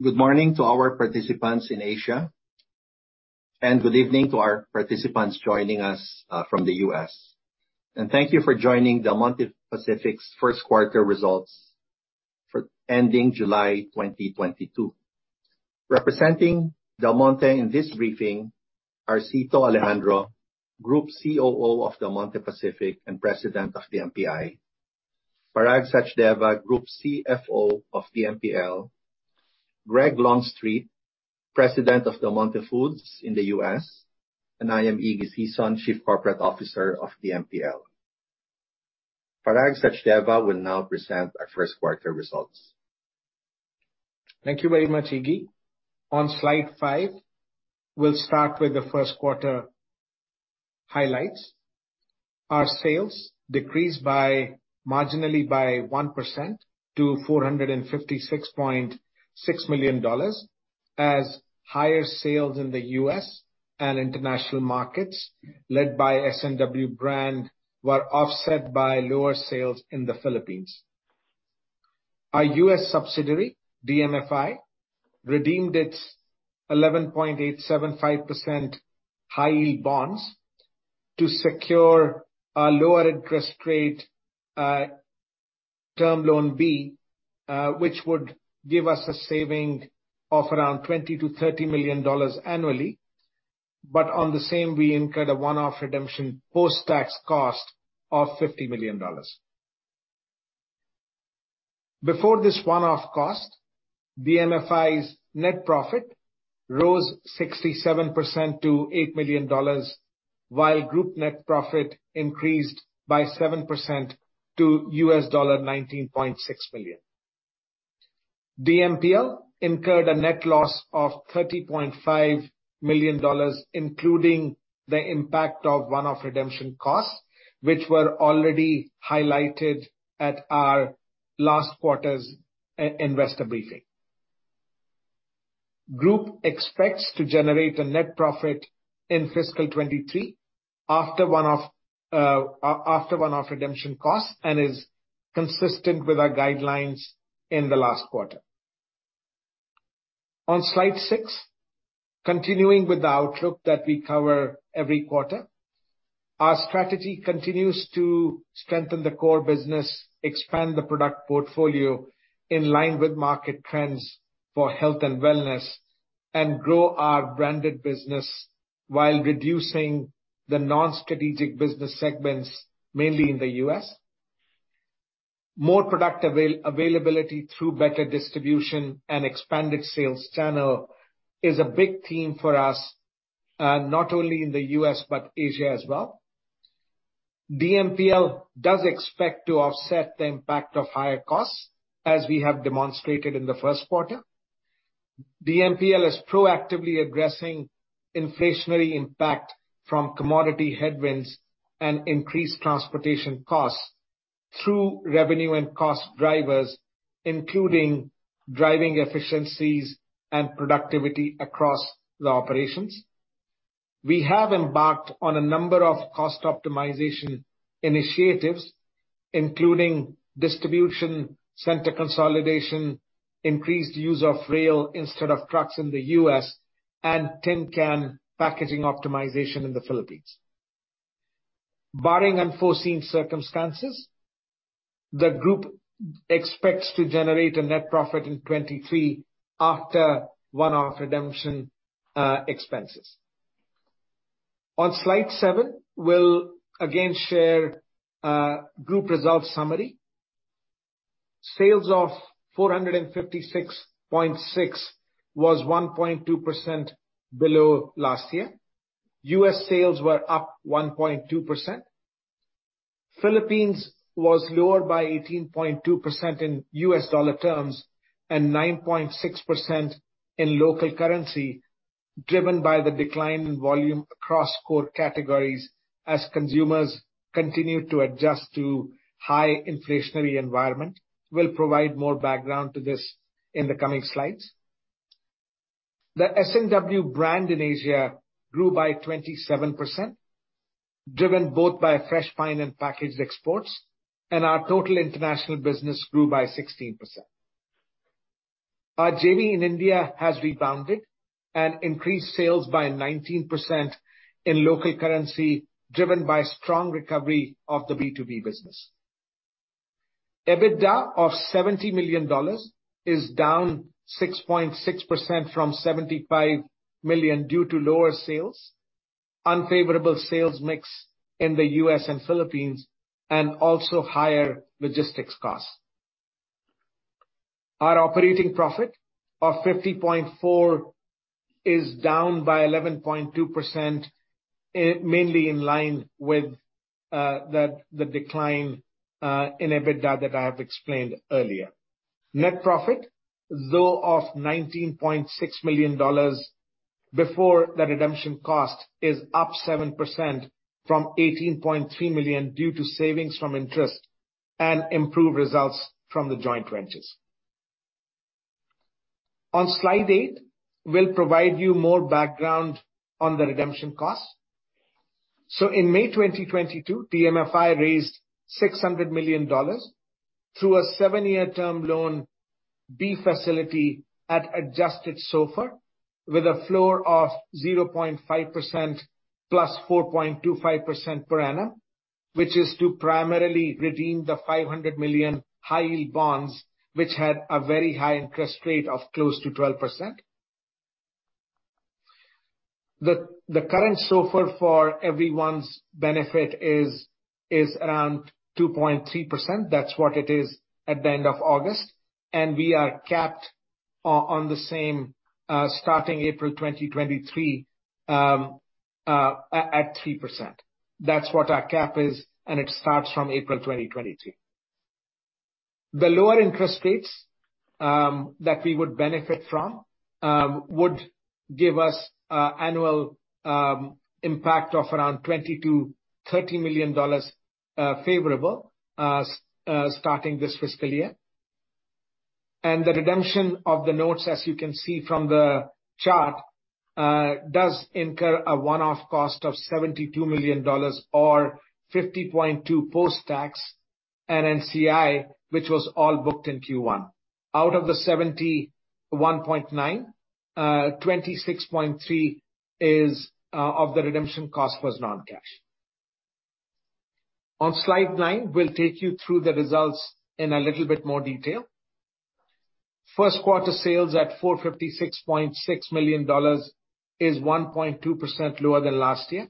Good morning to our participants in Asia, and good evening to our participants joining us from the U.S.. Thank you for joining Del Monte Pacific's first quarter results ending July 2022. Representing Del Monte in this briefing are Cito Alejandro, Group COO of Del Monte Pacific and President of DMPI. Parag Sachdeva, Group CFO of DMPL. Greg Longstreet, President of Del Monte Foods in the US. I am Iggy Sison, Chief Corporate Officer of DMPL. Parag Sachdeva will now present our first quarter results. Thank you very much, Iggy. On slide five, we'll start with the first quarter highlights. Our sales decreased marginally by 1% to $456.6 million as higher sales in the U.S..And international markets led by S&W brand were offset by lower sales in the Philippines. Our U.S. subsidiary, DMFI, redeemed its 11.875% high yield bonds to secure a lower interest rate Term Loan B, which would give us a saving of around $20 million-$30 million annually. On the same, we incurred a one-off redemption post-tax cost of $50 million. Before this one-off cost, DMFI's net profit rose 67% to $8 million, while group net profit increased by 7% to $19.6 million. DMPL incurred a net loss of $30.5 million, including the impact of one-off redemption costs, which were already highlighted at our last quarter's investor briefing. Group expects to generate a net profit in fiscal 2023 after one-off redemption costs and is consistent with our guidelines in the last quarter. On slide six, continuing with the outlook that we cover every quarter, our strategy continues to strengthen the core business, expand the product portfolio in line with market trends for health and wellness, and grow our branded business while reducing the non-strategic business segments, mainly in the U.S.. More product availability through better distribution and expanded sales channel is a big theme for us, not only in the U.S., but Asia as well. DMPL does expect to offset the impact of higher costs, as we have demonstrated in the first quarter. DMPL is proactively addressing inflationary impact from commodity headwinds and increased transportation costs through revenue and cost drivers, including driving efficiencies and productivity across the operations. We have embarked on a number of cost optimization initiatives, including distribution center consolidation, increased use of rail instead of trucks in the U.S., and tin can packaging optimization in the Philippines. Barring unforeseen circumstances, the group expects to generate a net profit in 2023 after one-off redemption expenses. On slide seven, we'll again share group results summary. Sales of $456.6 was 1.2% below last year. U.S. sales were up 1.2%. Philippines was lower by 18.2% in U.S. dollar terms and 9.6% in local currency, driven by the decline in volume across core categories as consumers continue to adjust to high inflationary environment. We'll provide more background to this in the coming slides. The S&W brand in Asia grew by 27%, driven both by fresh fruit and packaged exports, and our total international business grew by 16%. Our JV in India has rebounded and increased sales by 19% in local currency, driven by strong recovery of the B2B business. EBITDA of $70 million is down 6.6% from $75 million due to lower sales, unfavorable sales mix in the U.S. and Philippines, and also higher logistics costs. Our operating profit of $50.4 million is down by 11.2%, mainly in line with the decline in EBITDA that I have explained earlier. Net profit though of $19.6 million before the redemption cost is up 7% from $18.3 million due to savings from interest and improved results from the joint ventures. On slide eight, we'll provide you more background on the redemption costs. In May 2022, DMFI raised $600 million through a seven year Term Loan B facility at adjusted SOFR, with a floor of 0.5% plus 4.25% per annum, which is to primarily redeem the $500 million high yield bonds, which had a very high interest rate of close to 12%. The current SOFR for everyone's benefit is around 2.3%. That's what it is at the end of August, and we are capped on the same starting April 2023 at 3%. That's what our cap is, and it starts from April 2023. The lower interest rates that we would benefit from would give us annual impact of around $20 million-$30 million favorable as starting this fiscal year. The redemption of the notes, as you can see from the chart, does incur a one-off cost of $72 million or 50.2 post-tax and NCI, which was all booked in Q1. Out of the 71.9, 26.3 is of the redemption cost was non-cash. On slide nine, we'll take you through the results in a little bit more detail. First quarter sales at $456.6 million is 1.2% lower than last year.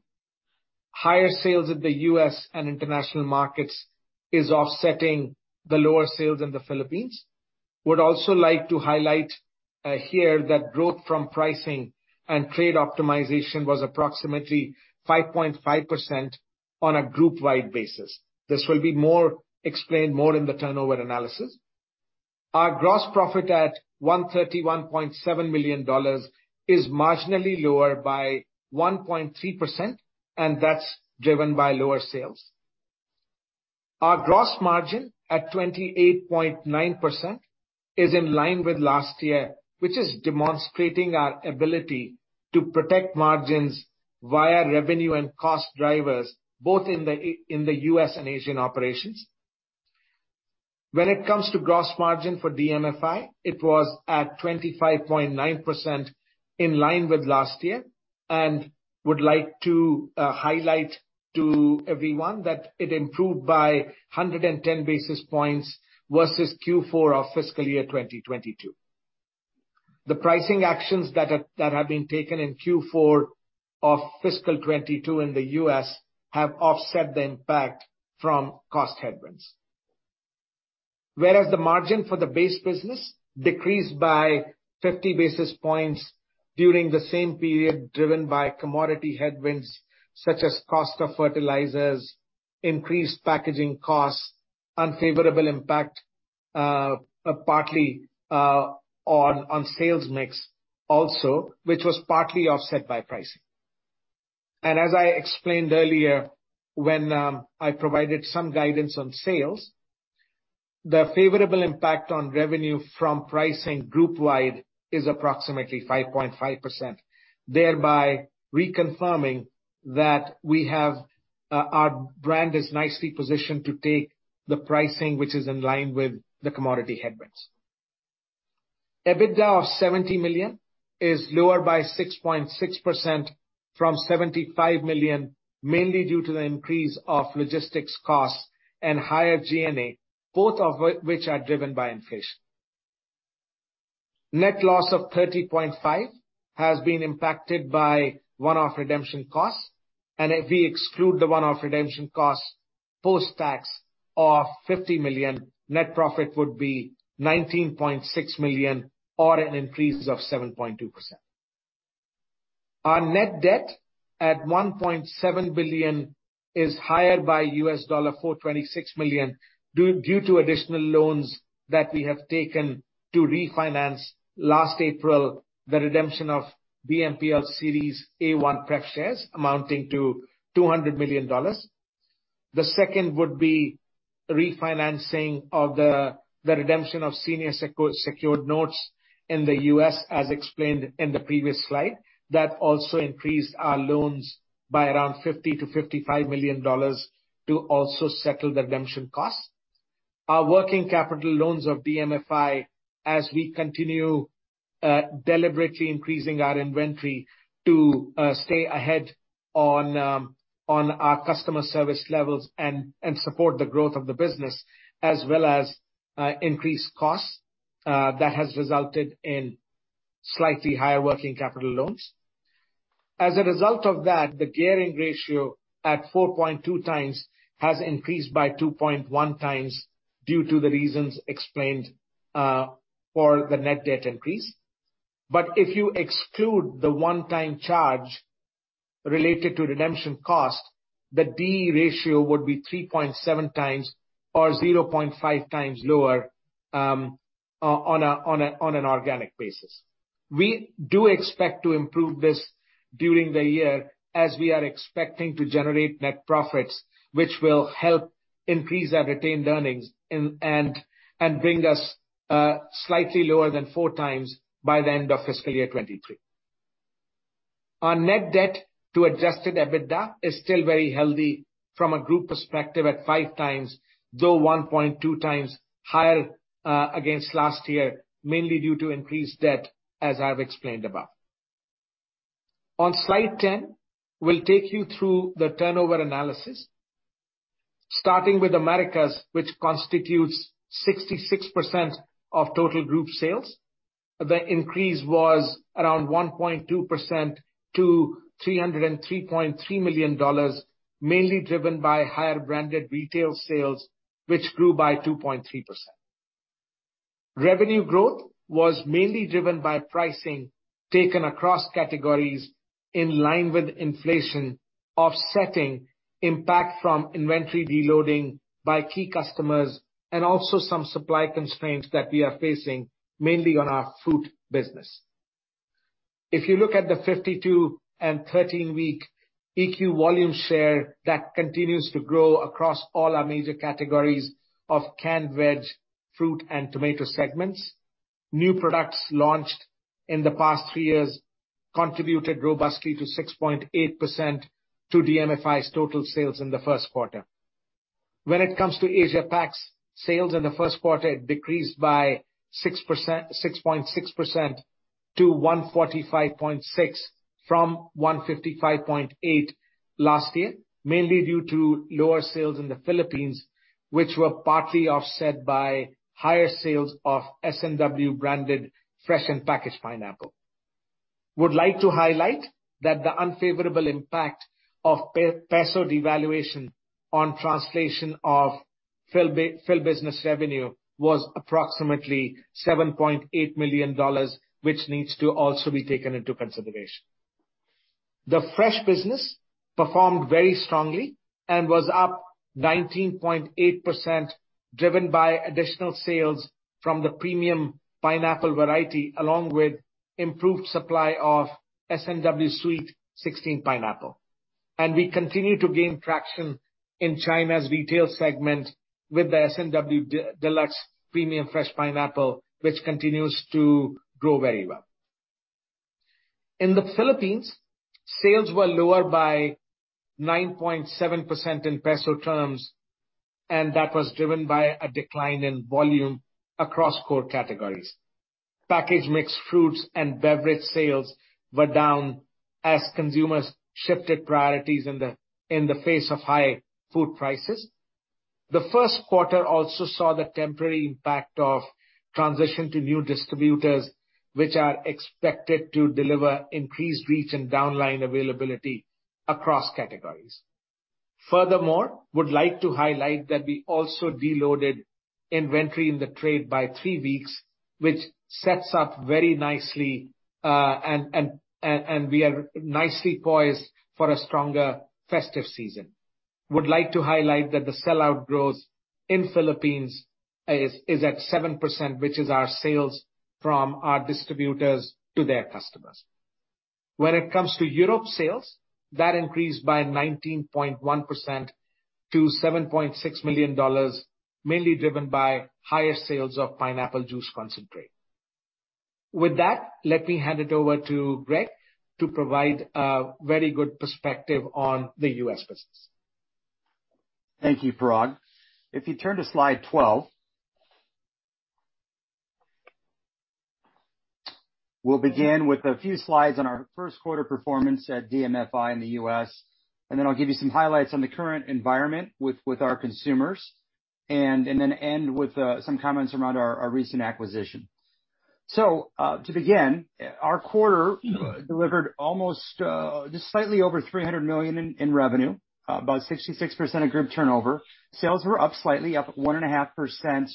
Higher sales in the U.S. and international markets is offsetting the lower sales in the Philippines. Would also like to highlight here that growth from pricing and trade optimization was approximately 5.5% on a groupwide basis. This will be explained more in the turnover analysis. Our gross profit at $131.7 million is marginally lower by 1.3%, and that's driven by lower sales. Our gross margin at 28.9% is in line with last year, which is demonstrating our ability to protect margins via revenue and cost drivers, both in the U.S. and Asian operations. When it comes to gross margin for DMFI, it was at 25.9% in line with last year. Would like to highlight to everyone that it improved by 110 basis points versus Q4 of fiscal year 2022. The pricing actions that have been taken in Q4 of fiscal 2022 in the U.S. have offset the impact from cost headwinds. Whereas the margin for the base business decreased by 50 basis points during the same period, driven by commodity headwinds such as cost of fertilizers, increased packaging costs, unfavorable impact partly on sales mix also, which was partly offset by pricing. As I explained earlier when I provided some guidance on sales, the favorable impact on revenue from pricing groupwide is approximately 5.5%, thereby reconfirming that we have our brand is nicely positioned to take the pricing which is in line with the commodity headwinds. EBITDA of $70 million is lower by 6.6% from $75 million, mainly due to the increase of logistics costs and higher G&A, both of which are driven by inflation. Net loss of $30.5 million has been impacted by one-off redemption costs. If we exclude the one-off redemption costs, post-tax of $50 million, net profit would be $19.6 million or an increase of 7.2%. Our net debt at $1.7 billion is higher by $426 million due to additional loans that we have taken to refinance last April the redemption of DMPL Series A-1 pref shares amounting to $200 million. The second would be refinancing of the redemption of senior secured notes in the US, as explained in the previous slide. That also increased our loans by around $50 million-$55 million to also settle the redemption costs. Our working capital loans of DMFI, as we continue deliberately increasing our inventory to stay ahead on our customer service levels and support the growth of the business as well as increased costs, that has resulted in slightly higher working capital loans. As a result of that, the gearing ratio at 4.2x has increased by 2.1x due to the reasons explained for the net debt increase. If you exclude the one-time charge related to redemption cost, the D ratio would be 3.7x or 0.5x lower on an organic basis. We do expect to improve this during the year as we are expecting to generate net profits, which will help increase our retained earnings and bring us slightly lower than 4 times by the end of fiscal year 2023. Our net debt to adjusted EBITDA is still very healthy from a group perspective at 5 times, though 1.2 times higher against last year, mainly due to increased debt, as I've explained above. On slide ten, we'll take you through the turnover analysis. Starting with Americas, which constitutes 66% of total group sales. The increase was around 1.2% to $303.3 million, mainly driven by higher branded retail sales, which grew by 2.3%. Revenue growth was mainly driven by pricing taken across categories in line with inflation, offsetting impact from inventory de-loading by key customers and also some supply constraints that we are facing, mainly on our food business. If you look at the 52 and 13-week EQ volume share, that continues to grow across all our major categories of canned veg, fruit, and tomato segments. New products launched in the past three years contributed robustly to 6.8% to DMFI's total sales in the first quarter. When it comes to Asia-Pacific's, sales in the first quarter decreased by 6.6% to $145.6 from $155.8 last year, mainly due to lower sales in the Philippines, which were partly offset by higher sales of S&W branded fresh and packaged pineapple. Would like to highlight that the unfavorable impact of peso devaluation on translation of Philippine business revenue was approximately $7.8 million, which needs to also be taken into consideration. The fresh business performed very strongly and was up 19.8%, driven by additional sales from the premium pineapple variety, along with improved supply of S&W Sweet 16 pineapple. We continue to gain traction in China's retail segment with the S&W Deluxe Premium Fresh Pineapple, which continues to grow very well. In the Philippines, sales were lower by 9.7% in peso terms, and that was driven by a decline in volume across core categories. Packaged mixed fruits and beverage sales were down as consumers shifted priorities in the face of high food prices. The first quarter also saw the temporary impact of transition to new distributors, which are expected to deliver increased reach and down the line availability across categories. Furthermore, would like to highlight that we also de-loaded inventory in the trade by three weeks, which sets up very nicely, and we are nicely poised for a stronger festive season. Would like to highlight that the sell-out growth in Philippines is at 7%, which is our sales from our distributors to their customers. When it comes to Europe sales, that increased by 19.1% to $7.6 million, mainly driven by higher sales of pineapple juice concentrate. With that, let me hand it over to Greg to provide a very good perspective on the U.S. business. Thank you, Parag. If you turn to slide 12. We'll begin with a few slides on our first quarter performance at DMFI in the U.S., and then I'll give you some highlights on the current environment with our consumers, and then end with some comments around our recent acquisition. To begin, our quarter delivered almost just slightly over $300 million in revenue, about 66% of group turnover. Sales were up slightly 1.5%,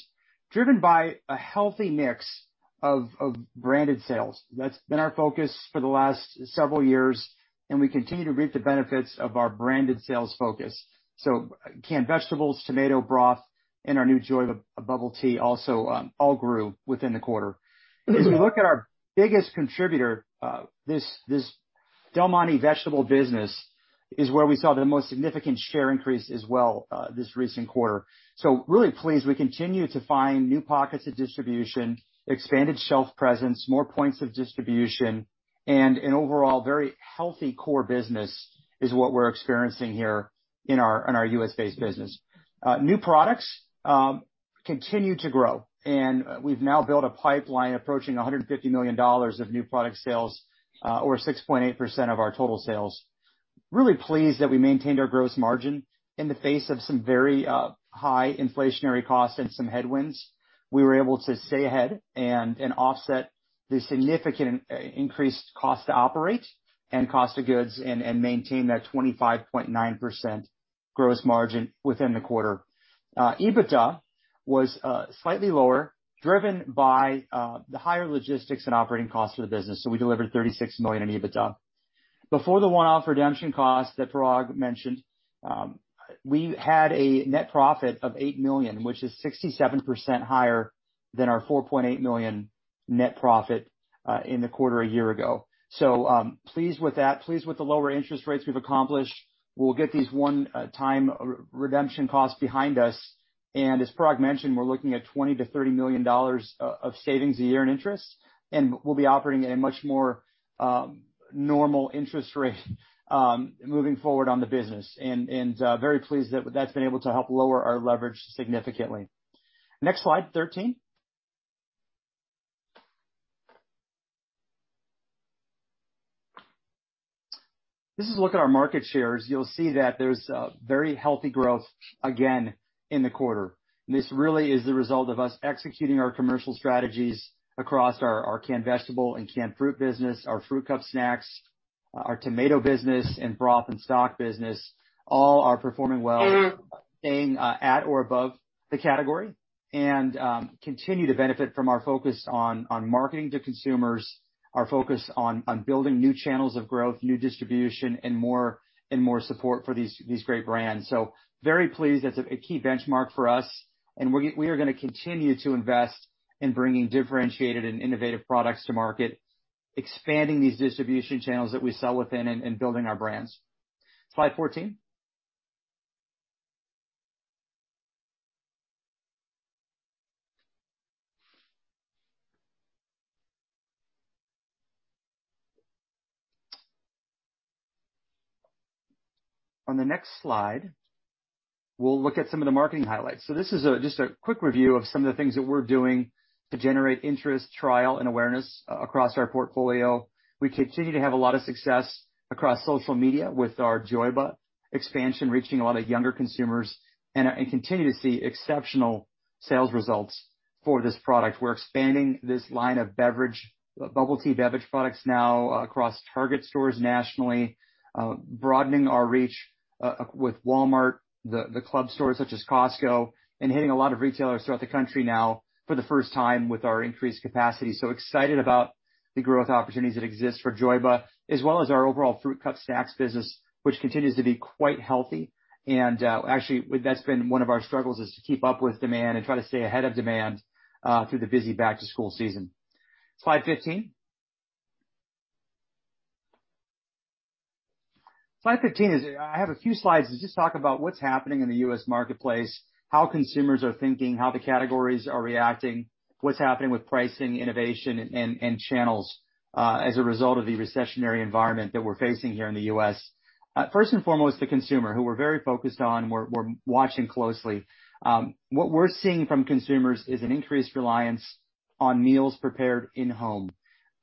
driven by a healthy mix of branded sales. That's been our focus for the last several years, and we continue to reap the benefits of our branded sales focus. Canned vegetables, tomato broth, and our new Joyba Bubble Tea also all grew within the quarter. As we look at our biggest contributor, Del Monte vegetable business is where we saw the most significant share increase as well, this recent quarter. Really pleased we continue to find new pockets of distribution, expanded shelf presence, more points of distribution, and an overall very healthy core business is what we're experiencing here in our US-based business. New products continue to grow, and we've now built a pipeline approaching $150 million of new product sales, or 6.8% of our total sales. Really pleased that we maintained our gross margin in the face of some very, high inflationary costs and some headwinds. We were able to stay ahead and offset the significant increased cost to operate and cost of goods and maintain that 25.9% gross margin within the quarter. EBITDA was slightly lower, driven by the higher logistics and operating costs for the business, so we delivered $36 million in EBITDA. Before the one-off redemption cost that Parag mentioned, we had a net profit of $8 million, which is 67% higher than our $4.8 million net profit in the quarter a year ago. Pleased with that, pleased with the lower interest rates we've accomplished. We'll get these one-time re-redemption costs behind us. As Parag mentioned, we're looking at $20 million-$30 million of savings a year in interest, and we'll be operating at a much more normal interest rate moving forward on the business. Very pleased that that's been able to help lower our leverage significantly. Next slide, 13. This is a look at our market shares. You'll see that there's very healthy growth again in the quarter. This really is the result of us executing our commercial strategies across our canned vegetable and canned fruit business, our fruit cup snacks, our tomato business and broth and stock business, all are performing well, staying at or above the category. Continue to benefit from our focus on marketing to consumers, our focus on building new channels of growth, new distribution, and more support for these great brands. Very pleased. That's a key benchmark for us, and we are gonna continue to invest in bringing differentiated and innovative products to market, expanding these distribution channels that we sell within, and building our brands. Slide 14. On the next slide, we'll look at some of the marketing highlights. This is just a quick review of some of the things that we're doing to generate interest, trial, and awareness across our portfolio. We continue to have a lot of success across social media with our Joyba expansion, reaching a lot of younger consumers, and continue to see exceptional sales results for this product. We're expanding this line of beverage, bubble tea beverage products now across Target stores nationally, broadening our reach, with Walmart, the club stores such as Costco, and hitting a lot of retailers throughout the country now for the first time with our increased capacity. Excited about the growth opportunities that exist for Joyba, as well as our overall fruit cup snacks business, which continues to be quite healthy. That's been one of our struggles, is to keep up with demand and try to stay ahead of demand, through the busy back-to-school season. Slide 15. Slide 15 is. I have a few slides to just talk about what's happening in the U.S. marketplace, how consumers are thinking, how the categories are reacting, what's happening with pricing, innovation, and channels, as a result of the recessionary environment that we're facing here in the U.S. First and foremost, the consumer, who we're very focused on, we're watching closely. What we're seeing from consumers is an increased reliance on meals prepared at home.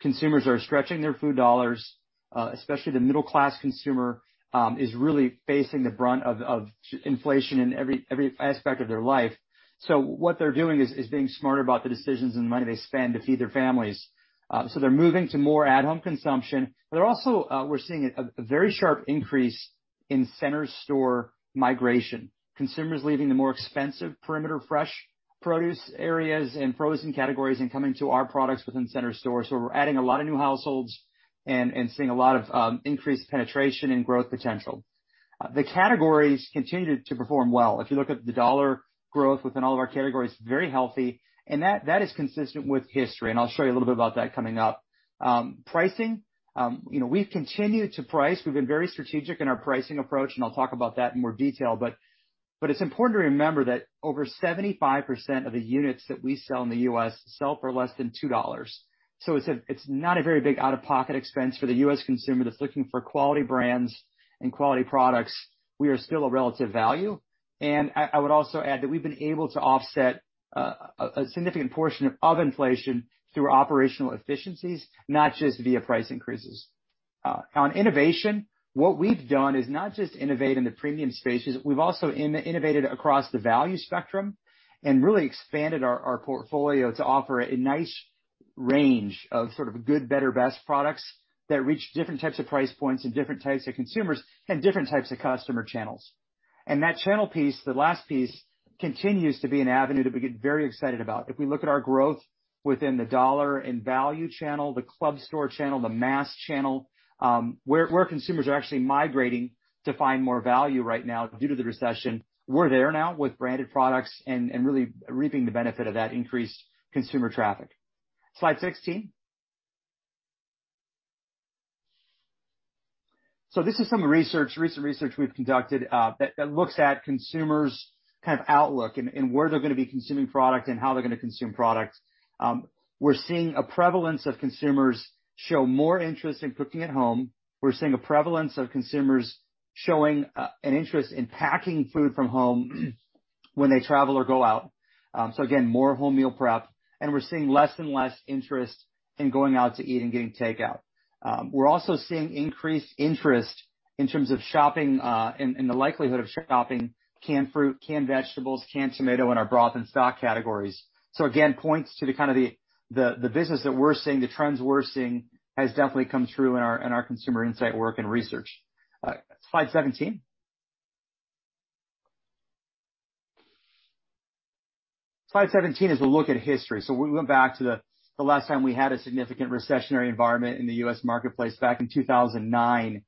Consumers are stretching their food dollars, especially the middle class consumer, is really facing the brunt of inflation in every aspect of their life. So what they're doing is being smarter about the decisions and money they spend to feed their families. So they're moving to more at-home consumption. They're also, we're seeing a very sharp increase in center store migration. Consumers leaving the more expensive perimeter fresh produce areas and frozen categories and coming to our products within center store. We're adding a lot of new households and seeing a lot of increased penetration and growth potential. The categories continue to perform well. If you look at the dollar growth within all of our categories, very healthy. That is consistent with history, and I'll show you a little bit about that coming up. Pricing, you know, we've continued to price. We've been very strategic in our pricing approach, and I'll talk about that in more detail. It's important to remember that over 75% of the units that we sell in the U.S. sell for less than $2. It's not a very big out-of-pocket expense for the U.S. consumer that's looking for quality brands and quality products. We are still a relative value. I would also add that we've been able to offset a significant portion of inflation through operational efficiencies, not just via price increases. On innovation, what we've done is not just innovate in the premium spaces, we've also innovated across the value spectrum and really expanded our portfolio to offer a nice range of sort of good, better, best products that reach different types of price points and different types of consumers and different types of customer channels. That channel piece, the last piece, continues to be an avenue that we get very excited about. If we look at our growth within the dollar and value channel, the club store channel, the mass channel, where consumers are actually migrating to find more value right now due to the recession. We're there now with branded products and really reaping the benefit of that increased consumer traffic. Slide 16. This is some research, recent research we've conducted, that looks at consumers' kind of outlook and where they're gonna be consuming product and how they're gonna consume products. We're seeing a prevalence of consumers show more interest in cooking at home. We're seeing a prevalence of consumers showing an interest in packing food from home when they travel or go out. Again, more home meal prep. We're seeing less and less interest in going out to eat and getting takeout. We're also seeing increased interest in terms of shopping, in the likelihood of shopping canned fruit, canned vegetables, canned tomato, and our broth and stock categories. Again, points to the kind of business that we're seeing, the trends we're seeing has definitely come true in our consumer insight work and research. Slide 17. Slide 17 is a look at history. We went back to the last time we had a significant recessionary environment in the U.S. marketplace back in 2009.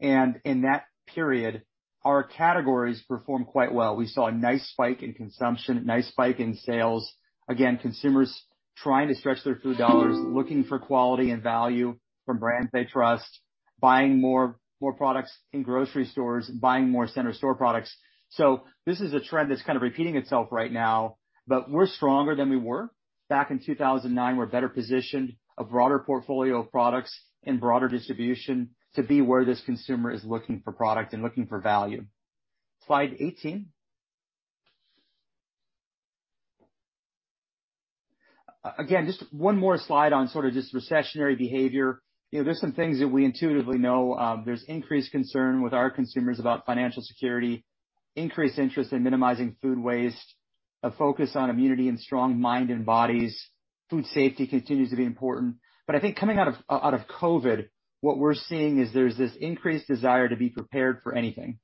In that period, our categories performed quite well. We saw a nice spike in consumption, a nice spike in sales. Consumers trying to stretch their food dollars, looking for quality and value from brands they trust, buying more products in grocery stores, buying more center store products. This is a trend that's kind of repeating itself right now, but we're stronger than we were back in 2009. We're better positioned, a broader portfolio of products and broader distribution to be where this consumer is looking for product and looking for value. Slide 18. Just one more slide on sort of just recessionary behavior. You know, there's some things that we intuitively know. There's increased concern with our consumers about financial security, increased interest in minimizing food waste, a focus on immunity and strong mind and bodies. Food safety continues to be important. I think coming out of COVID, what we're seeing is there's this increased desire to be prepared for anything.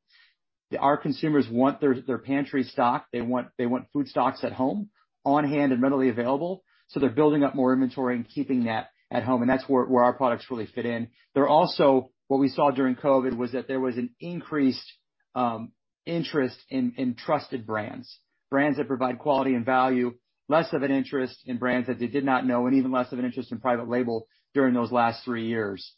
Our consumers want their pantry stocked. They want food stocks at home on-hand and readily available, so they're building up more inventory and keeping that at home, and that's where our products really fit in. What we saw during COVID was that there was an increased interest in trusted brands that provide quality and value, less of an interest in brands that they did not know, and even less of an interest in private label during those last three years.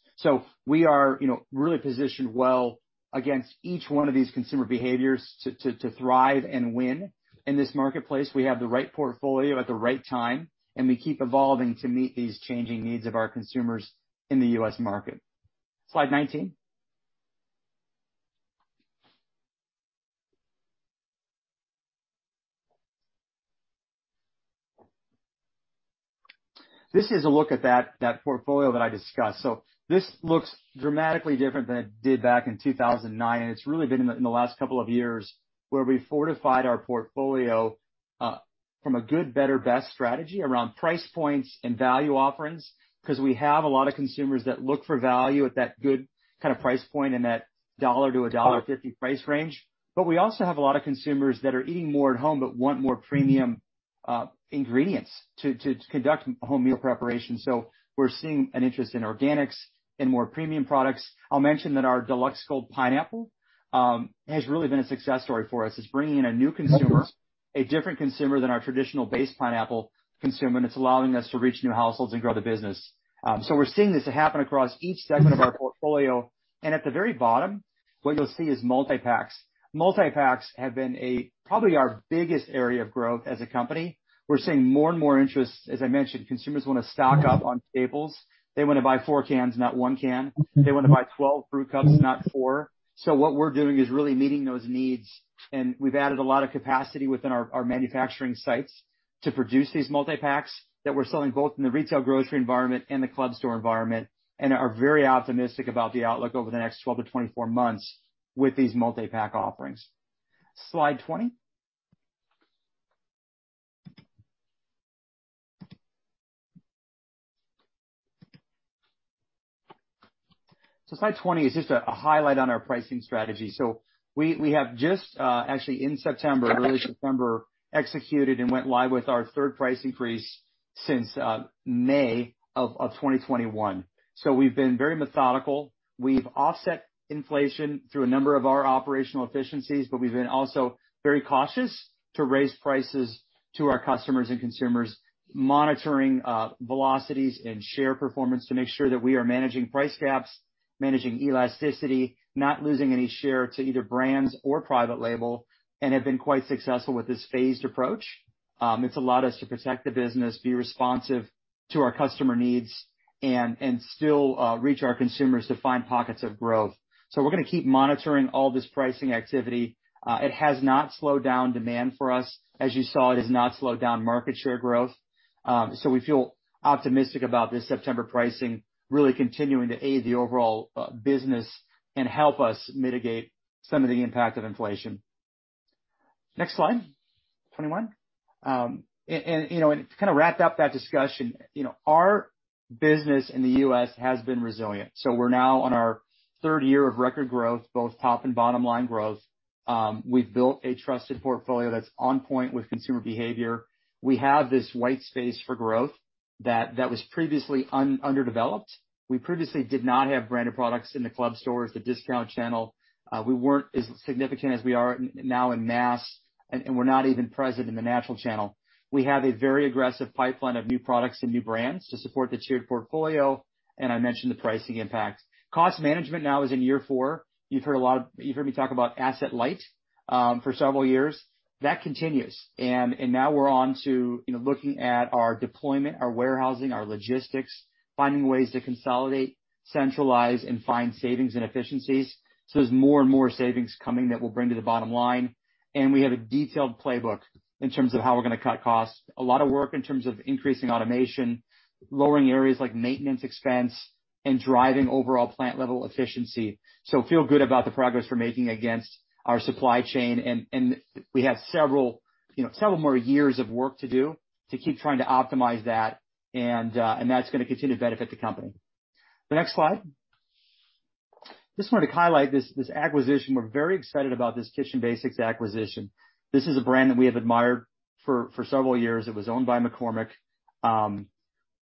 We are, you know, really positioned well against each one of these consumer behaviors to thrive and win in this marketplace. We have the right portfolio at the right time, and we keep evolving to meet these changing needs of our consumers in the U.S. market. Slide 19. This is a look at that portfolio that I discussed. This looks dramatically different than it did back in 2009. It's really been in the last couple of years where we fortified our portfolio from a good, better, best strategy around price points and value offerings 'cause we have a lot of consumers that look for value at that good kinda price point and that $1-$1.50 price range. We also have a lot of consumers that are eating more at home but want more premium ingredients to conduct home meal preparation. We're seeing an interest in organics and more premium products. I'll mention that our Deluxe Gold pineapple has really been a success story for us. It's bringing in a new consumer, a different consumer than our traditional base pineapple consumer, and it's allowing us to reach new households and grow the business. We're seeing this happen across each segment of our portfolio. At the very bottom, what you'll see is multi-packs. Multi-packs have been probably our biggest area of growth as a company. We're seeing more and more interest. As I mentioned, consumers wanna stock up on staples. They wanna buy four cans, not one can. They wanna buy 12 fruit cups, not four. What we're doing is really meeting those needs, and we've added a lot of capacity within our manufacturing sites to produce these multi-packs that we're selling both in the retail grocery environment and the club store environment and are very optimistic about the outlook over the next 12-24 months with these multi-pack offerings. Slide 20. Slide 20 is just a highlight on our pricing strategy. We have just actually in September, early September, executed and went live with our third price increase since May of 2021. We've been very methodical. We've offset inflation through a number of our operational efficiencies, but we've been also very cautious to raise prices to our customers and consumers, monitoring velocities and share performance to make sure that we are managing price gaps, managing elasticity, not losing any share to either brands or private label and have been quite successful with this phased approach. It's allowed us to protect the business, be responsive to our customer needs and still reach our consumers to find pockets of growth. We're gonna keep monitoring all this pricing activity. It has not slowed down demand for us. As you saw, it has not slowed down market share growth. We feel optimistic about this September pricing really continuing to aid the overall business and help us mitigate some of the impact of inflation. Next slide, 21. To kinda wrap up that discussion, you know, our business in the U.S. has been resilient. We're now on our third year of record growth, both top and bottom line growth. We've built a trusted portfolio that's on point with consumer behavior. We have this white space for growth that was previously underdeveloped. We previously did not have branded products in the club stores, the discount channel. We weren't as significant as we are now in mass, and we're not even present in the natural channel. We have a very aggressive pipeline of new products and new brands to support the tiered portfolio, and I mentioned the pricing impact. Cost management now is in year four. You've heard me talk about asset-light for several years. That continues. Now we're on to, you know, looking at our deployment, our warehousing, our logistics, finding ways to consolidate, centralize, and find savings and efficiencies. There's more and more savings coming that we'll bring to the bottom line, and we have a detailed playbook in terms of how we're gonna cut costs. A lot of work in terms of increasing automation, lowering areas like maintenance expense, and driving overall plant-level efficiency. Feel good about the progress we're making against our supply chain, and we have several more years of work to do to keep trying to optimize that, and that's gonna continue to benefit the company. The next slide. Just wanted to highlight this acquisition. We're very excited about this Kitchen Basics acquisition. This is a brand that we have admired for several years. It was owned by McCormick.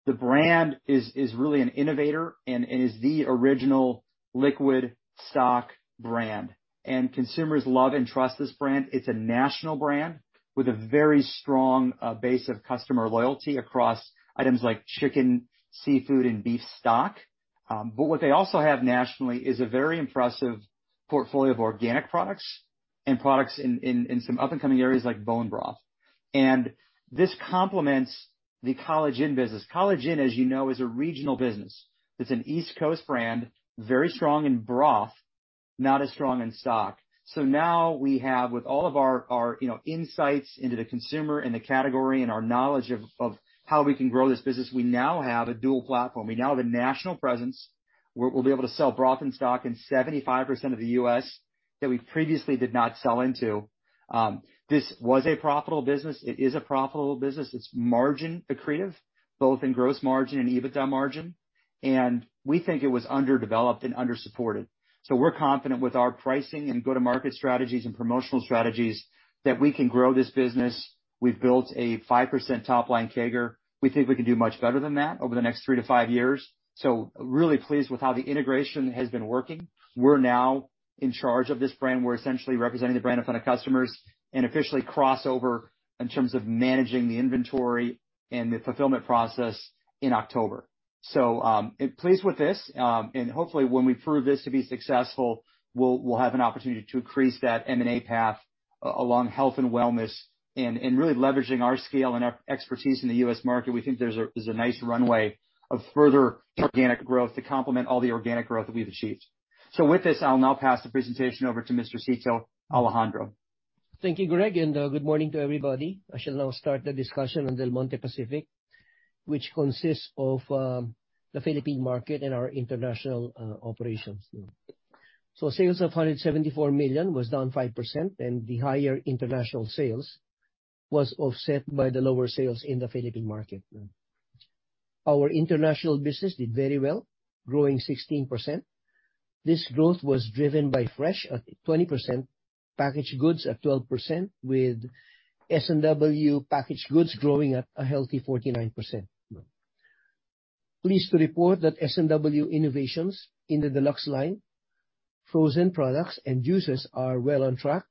The brand is really an innovator and is the original liquid stock brand. Consumers love and trust this brand. It's a national brand with a very strong base of customer loyalty across items like chicken, seafood and beef stock. But what they also have nationally is a very impressive portfolio of organic products and products in some up-and-coming areas like bone broth. This complements the College Inn business. College Inn, as you know, is a regional business. It's an East Coast brand, very strong in broth, not as strong in stock. Now we have with all of our, you know, insights into the consumer and the category and our knowledge of how we can grow this business, we now have a dual platform. We now have a national presence, where we'll be able to sell broth and stock in 75% of the U.S. that we previously did not sell into. This was a profitable business. It is a profitable business. It's margin accretive, both in gross margin and EBITDA margin, and we think it was underdeveloped and undersupported. We're confident with our pricing and go-to-market strategies and promotional strategies that we can grow this business. We've built a 5% top line CAGR. We think we can do much better than that over the next three-five years. Really pleased with how the integration has been working. We're now in charge of this brand. We're essentially representing the brand in front of customers and officially cross over in terms of managing the inventory and the fulfillment process in October. Pleased with this, and hopefully when we prove this to be successful, we'll have an opportunity to increase that M&A path along health and wellness and really leveraging our scale and our expertise in the U.S. market. We think there's a nice runway of further organic growth to complement all the organic growth that we've achieved. With this, I'll now pass the presentation over to Mr. Cito Alejandro. Thank you, Greg, and good morning to everybody. I shall now start the discussion on Del Monte Pacific, which consists of the Philippine market and our international operations. Sales of $174 million was down 5%, and the higher international sales was offset by the lower sales in the Philippine market. Our international business did very well, growing 16%. This growth was driven by fresh at 20%, packaged goods at 12%, with S&W packaged goods growing at a healthy 49%. Pleased to report that S&W innovations in the deluxe line, frozen products and juices are well on track.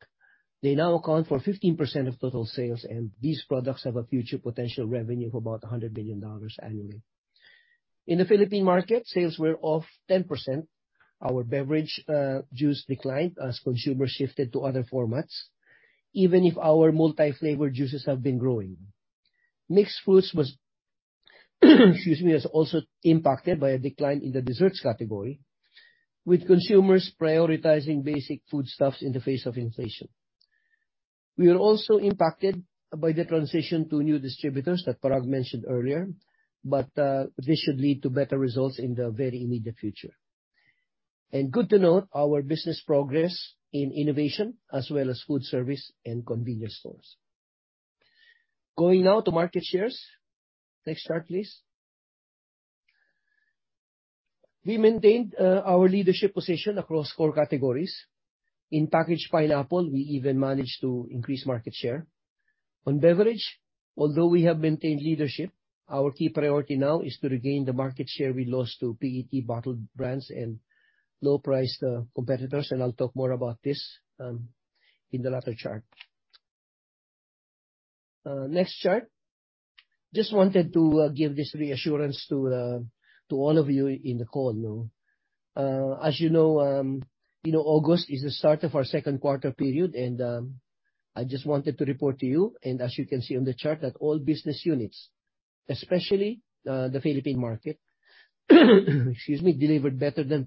They now account for 15% of total sales, and these products have a future potential revenue of about $100 million annually. In the Philippine market, sales were off 10%. Our beverage, juice declined as consumers shifted to other formats, even if our multi-flavored juices have been growing. Mixed fruits was also impacted by a decline in the desserts category, with consumers prioritizing basic foodstuffs in the face of inflation. We were also impacted by the transition to new distributors that Parag mentioned earlier, but, this should lead to better results in the very immediate future. Good to note our business progress in innovation as well as food service and convenience stores. Going now to market shares. Next chart, please. We maintained, our leadership position across four categories. In packaged pineapple, we even managed to increase market share. On beverage, although we have maintained leadership, our key priority now is to regain the market share we lost to PET bottled brands and low-priced competitors, and I'll talk more about this in the latter chart. Next chart. Just wanted to give this reassurance to all of you in the call. As you know, you know, August is the start of our second quarter period, and I just wanted to report to you, and as you can see on the chart, that all business units, especially the Philippine market, excuse me, delivered better than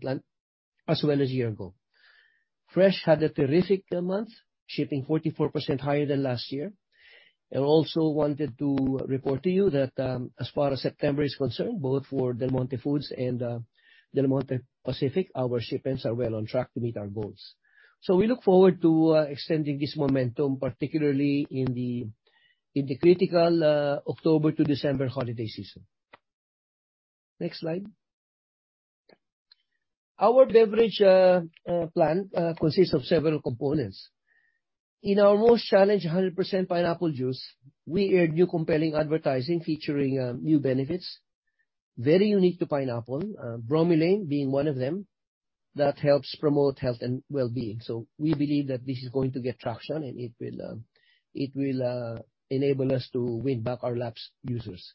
planned as well as year ago. Fresh had a terrific month, shipping 44% higher than last year. also wanted to report to you that, as far as September is concerned, both for Del Monte Foods and Del Monte Pacific, our shipments are well on track to meet our goals. We look forward to extending this momentum, particularly in the critical October to December holiday season. Next slide. Our beverage plan consists of several components. In our most challenged 100% pineapple juice, we aired new compelling advertising featuring new benefits, very unique to pineapple, bromelain being one of them, that helps promote health and well-being. We believe that this is going to get traction, and it will enable us to win back our lapsed users.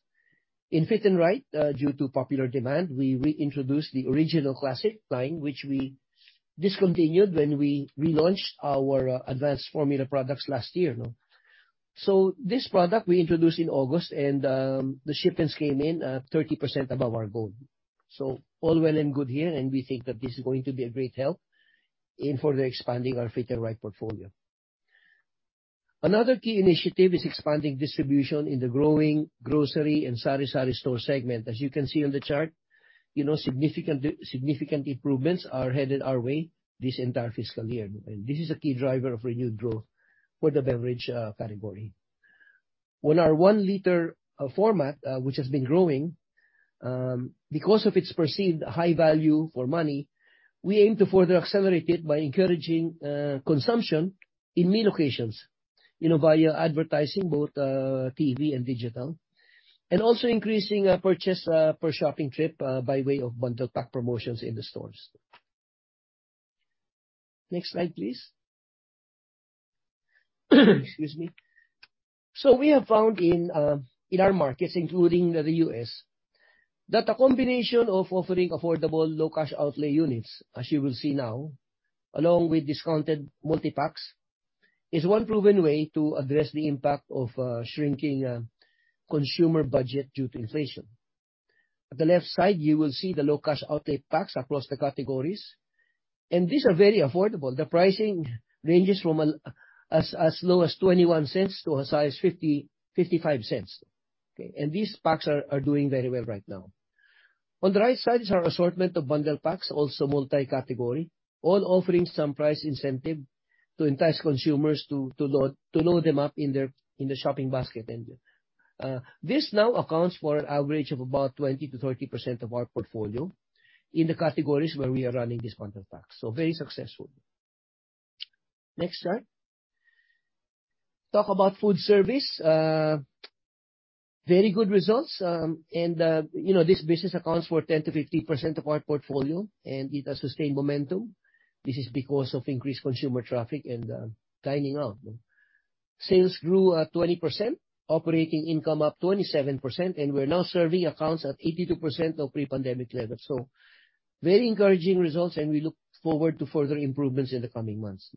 In Fit 'n Right, due to popular demand, we reintroduced the original classic line, which we discontinued when we relaunched our advanced formula products last year. This product we introduced in August, and the shipments came in at 30% above our goal. All well and good here, and we think that this is going to be a great help in further expanding our Fit 'n Right portfolio. Another key initiative is expanding distribution in the growing grocery and sari-sari store segment. As you can see on the chart, you know, significant improvements are headed our way this entire fiscal year. This is a key driver of renewed growth for the beverage category. With our one-liter format, which has been growing, because of its perceived high value for money, we aim to further accelerate it by encouraging consumption in meal occasions. You know, via advertising, both TV and digital, and also increasing purchase per shopping trip by way of bundle pack promotions in the stores. Next slide, please. Excuse me. We have found in our markets, including the U.S., that a combination of offering affordable low cash outlay units, as you will see now, along with discounted multi-packs, is one proven way to address the impact of shrinking consumer budget due to inflation. At the left side, you will see the low cash outlay packs across the categories, and these are very affordable. The pricing ranges from as low as $0.21 to as high as $0.55. Okay. These packs are doing very well right now. On the right side is our assortment of bundle packs, also multi-category, all offering some price incentive to entice consumers to load them up in their shopping basket. This now accounts for an average of about 20%-30% of our portfolio in the categories where we are running these bundle packs. Very successful. Next chart. Talk about food service. Very good results. You know, this business accounts for 10%-15% of our portfolio, and it has sustained momentum. This is because of increased consumer traffic and dining out. Sales grew 20%, operating income up 27%, and we're now serving accounts at 82% of pre-pandemic levels. Very encouraging results, and we look forward to further improvements in the coming months.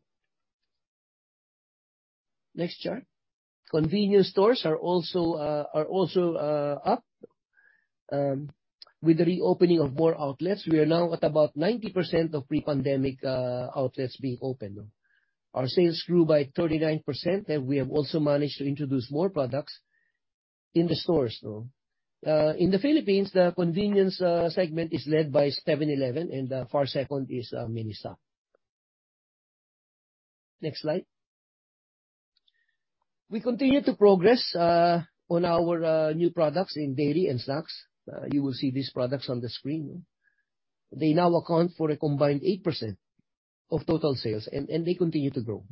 Next chart. Convenience stores are also up. With the reopening of more outlets, we are now at about 90% of pre-pandemic outlets being open. Our sales grew by 39%, and we have also managed to introduce more products in the stores now. In the Philippines, the convenience segment is led by 7-Eleven, and far second is Ministop. Next slide. We continue to progress on our new products in dairy and snacks. You will see these products on the screen. They now account for a combined 8% of total sales, and they continue to grow.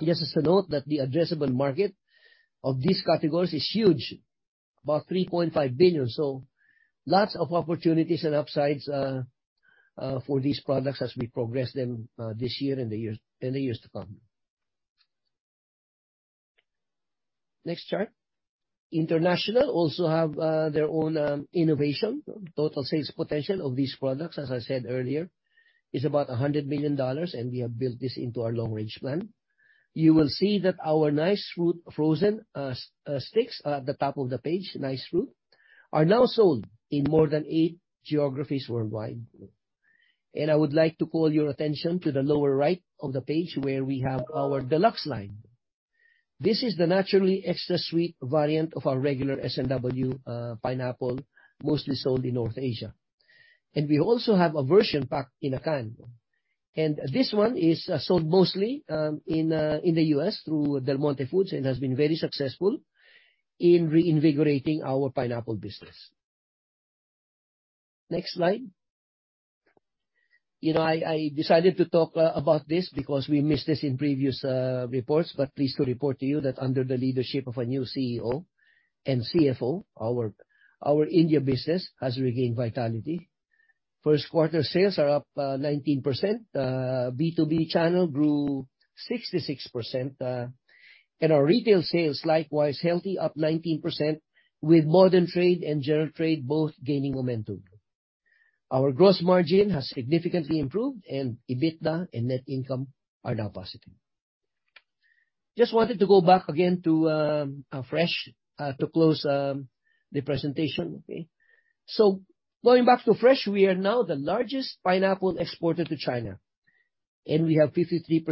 Just to note that the addressable market of these categories is huge, about $3.5 billion. Lots of opportunities and upsides for these products as we progress them this year and the years to come. Next chart. International also have their own innovation. Total sales potential of these products, as I said earlier, is about $100 million, and we have built this into our long range plan. You will see that our Nice Fruit frozen sticks at the top of the page, Nice Fruit, are now sold in more than 8 geographies worldwide. I would like to call your attention to the lower right of the page where we have our Deluxe line. This is the naturally extra sweet variant of our regular S&W pineapple, mostly sold in North Asia. We also have a version packed in a can. This one is sold mostly in the U.S. Through Del Monte Foods and has been very successful in reinvigorating our pineapple business. Next slide. You know, I decided to talk about this because we missed this in previous reports, but pleased to report to you that under the leadership of our new CEO and CFO, our India business has regained vitality. First quarter sales are up 19%. B2B channel grew 66%. Our retail sales likewise healthy, up 19%, with modern trade and general trade both gaining momentum. Our gross margin has significantly improved, and EBITDA and net income are now positive. Just wanted to go back again to Fresh to close the presentation. Okay. Going back to Fresh, we are now the largest pineapple exporter to China, and we have 53%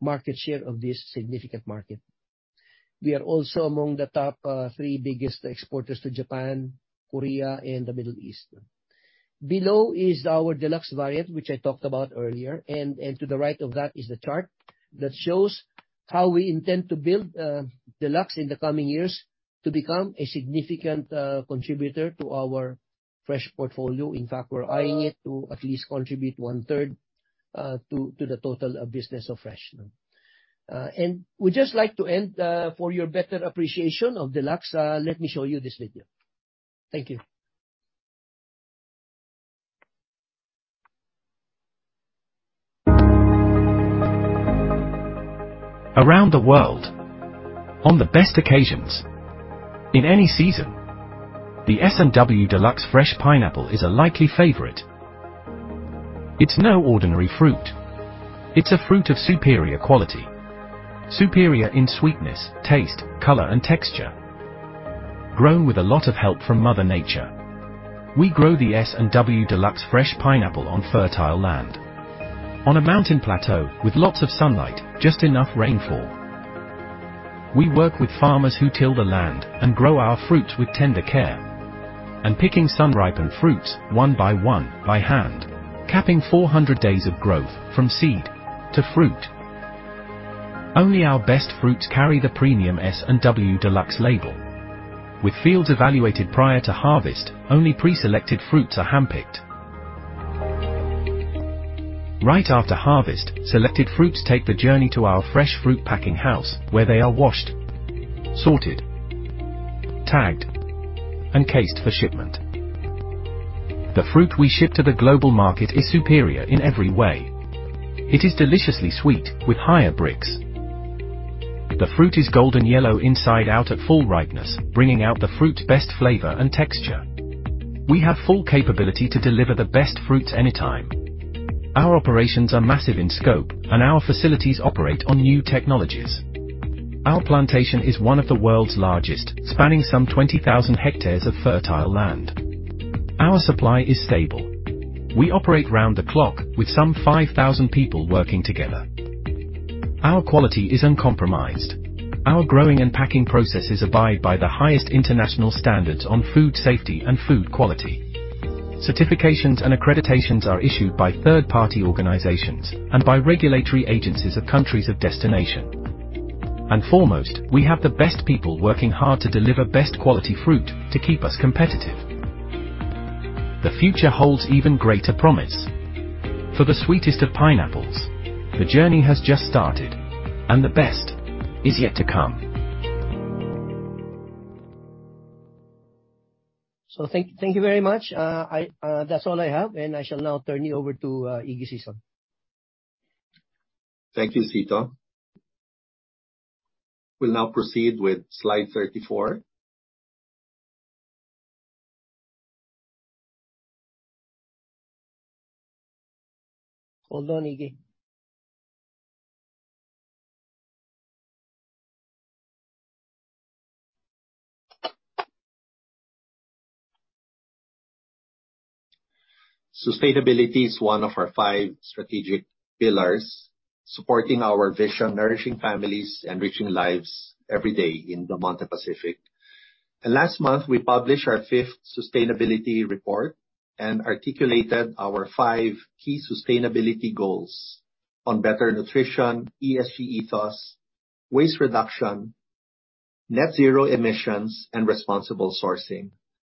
market share of this significant market. We are also among the top three biggest exporters to Japan, Korea, and the Middle East. Below is our Deluxe variant, which I talked about earlier. To the right of that is the chart that shows how we intend to build Deluxe in the coming years to become a significant contributor to our Fresh portfolio. In fact, we're eyeing it to at least contribute 1/3 to the total business of Fresh. We'd just like to end for your better appreciation of Deluxe, let me show you this video. Thank you. Around the world, on the best occasions, in any season, the S&W Deluxe Fresh Pineapple is a likely favorite. It's no ordinary fruit. It's a fruit of superior quality. Superior in sweetness, taste, color and texture. Grown with a lot of help from Mother Nature. We grow the S&W Deluxe Fresh Pineapple on fertile land, on a mountain plateau with lots of sunlight, just enough rainfall. We work with farmers who till the land and grow our fruits with tender care. Picking sun-ripened fruits one by one by hand, capping 400 days of growth from seed to fruit. Only our best fruits carry the premium S&W Deluxe label. With fields evaluated prior to harvest, only pre-selected fruits are handpicked. Right after harvest, selected fruits take the journey to our fresh fruit packing house where they are washed, sorted, tagged, and cased for shipment. The fruit we ship to the global market is superior in every way. It is deliciously sweet with higher Brix. The fruit is golden yellow inside out at full ripeness, bringing out the fruit's best flavor and texture. We have full capability to deliver the best fruits anytime. Our operations are massive in scope, and our facilities operate on new technologies. Our plantation is one of the world's largest, spanning some 20,000 hectares of fertile land. Our supply is stable. We operate round the clock with some 5,000 people working together. Our quality is uncompromised. Our growing and packing processes abide by the highest international standards on food safety and food quality. Certifications and accreditations are issued by third-party organizations and by regulatory agencies of countries of destination. Foremost, we have the best people working hard to deliver best quality fruit to keep us competitive. The future holds even greater promise. For the sweetest of pineapples, the journey has just started, and the best is yet to come. Thank you very much. That's all I have, and I shall now turn you over to Ignacio Sison. Thank you, Cito. We'll now proceed with slide 34. Hold on, Iggy. Sustainability is one of our five strategic pillars supporting our vision, nourishing families and reaching lives every day in Del Monte Pacific. Last month, we published our fifth sustainability report and articulated our five key sustainability goals on better nutrition, ESG ethos, waste reduction, net zero emissions, and responsible sourcing.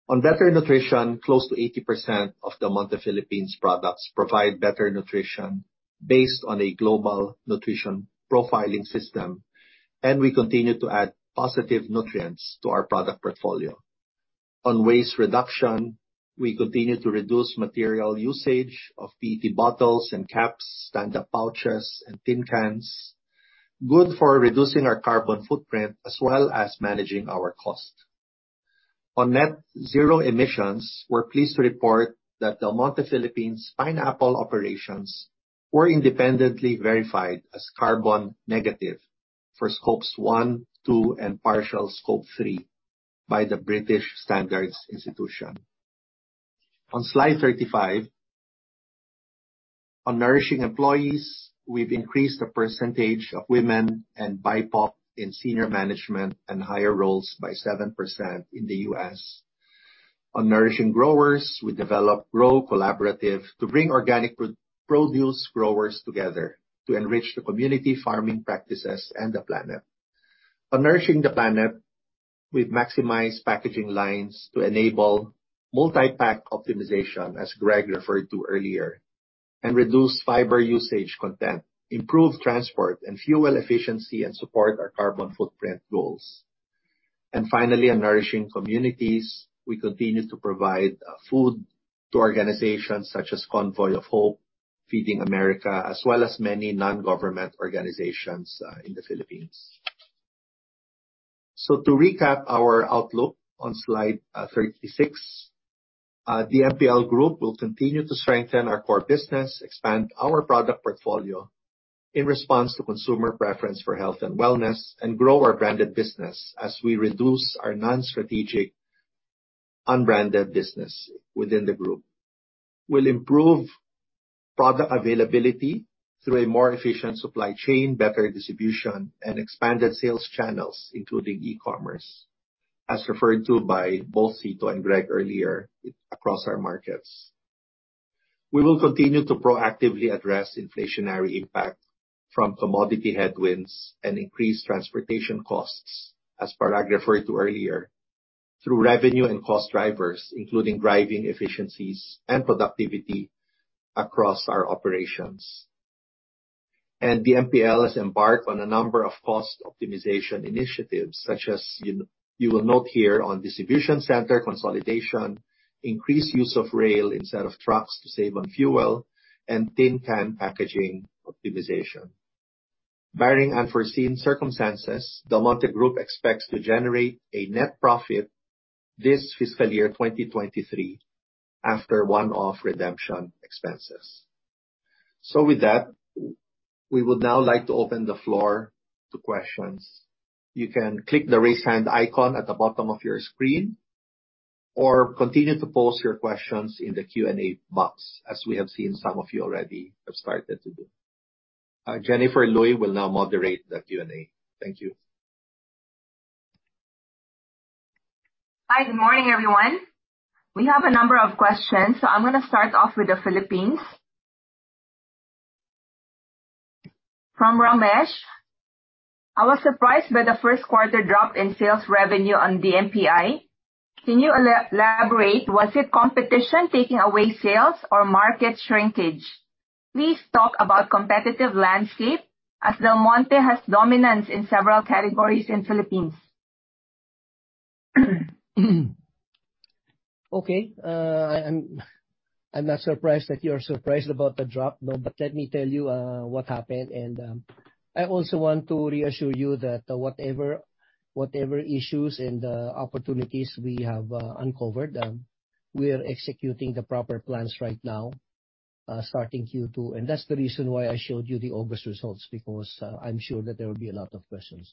On better nutrition, close to 80% of Del Monte Philippines products provide better nutrition based on a global nutrition profiling system, and we continue to add positive nutrients to our product portfolio. On waste reduction, we continue to reduce material usage of PET bottles and caps, stand-up pouches and tin cans. Good for reducing our carbon footprint, as well as managing our cost. On net zero emissions, we're pleased to report that Del Monte Philippines pineapple operations were independently verified as carbon negative for Scope 1, 2, and partial Scope 3 by the British Standards Institution. On slide 35, on nourishing employees, we've increased the percentage of women and BIPOC in senior management and higher roles by 7% in the U.S. On nourishing growers, we developed Grow Collaborative to bring organic produce growers together to enrich the community farming practices and the planet. On nourishing the planet, we've maximized packaging lines to enable multi-pack optimization, as Greg referred to earlier, and reduce fiber usage content, improve transport and fuel efficiency, and support our carbon footprint goals. Finally, on nourishing communities, we continue to provide food to organizations such as Convoy of Hope, Feeding America, as well as many non-government organizations in the Philippines. To recap our outlook on slide 36, DMPL Group will continue to strengthen our core business, expand our product portfolio in response to consumer preference for health and wellness, and grow our branded business as we reduce our non-strategic unbranded business within the group. We'll improve product availability through a more efficient supply chain, better distribution, and expanded sales channels, including e-commerce, as referred to by both Cito and Greg earlier across our markets. We will continue to proactively address inflationary impact from commodity headwinds and increased transportation costs, as Parag referred to earlier, through revenue and cost drivers, including driving efficiencies and productivity across our operations. DMPL has embarked on a number of cost optimization initiatives, such as you will note here on distribution center consolidation, increased use of rail instead of trucks to save on fuel, and tin can packaging optimization. Barring unforeseen circumstances, Del Monte Group expects to generate a net profit this fiscal year, 2023, after one-off redemption expenses. With that, we would now like to open the floor to questions. You can click the Raise Hand icon at the bottom of your screen or continue to post your questions in the Q&A box, as we have seen some of you already have started to do. Jennifer Luy will now moderate the Q&A. Thank you. Hi. Good morning, everyone. We have a number of questions. I'm gonna start off with the Philippines. From Ramesh: I was surprised by the first quarter drop in sales revenue on DMPI. Can you elaborate, was it competition taking away sales or market shrinkage? Please talk about competitive landscape as Del Monte has dominance in several categories in the Philippines. Okay. I'm not surprised that you're surprised about the drop, but let me tell you what happened, and I also want to reassure you that whatever issues and opportunities we have uncovered, we are executing the proper plans right now, starting Q2, and that's the reason why I showed you the August results because I'm sure that there will be a lot of questions.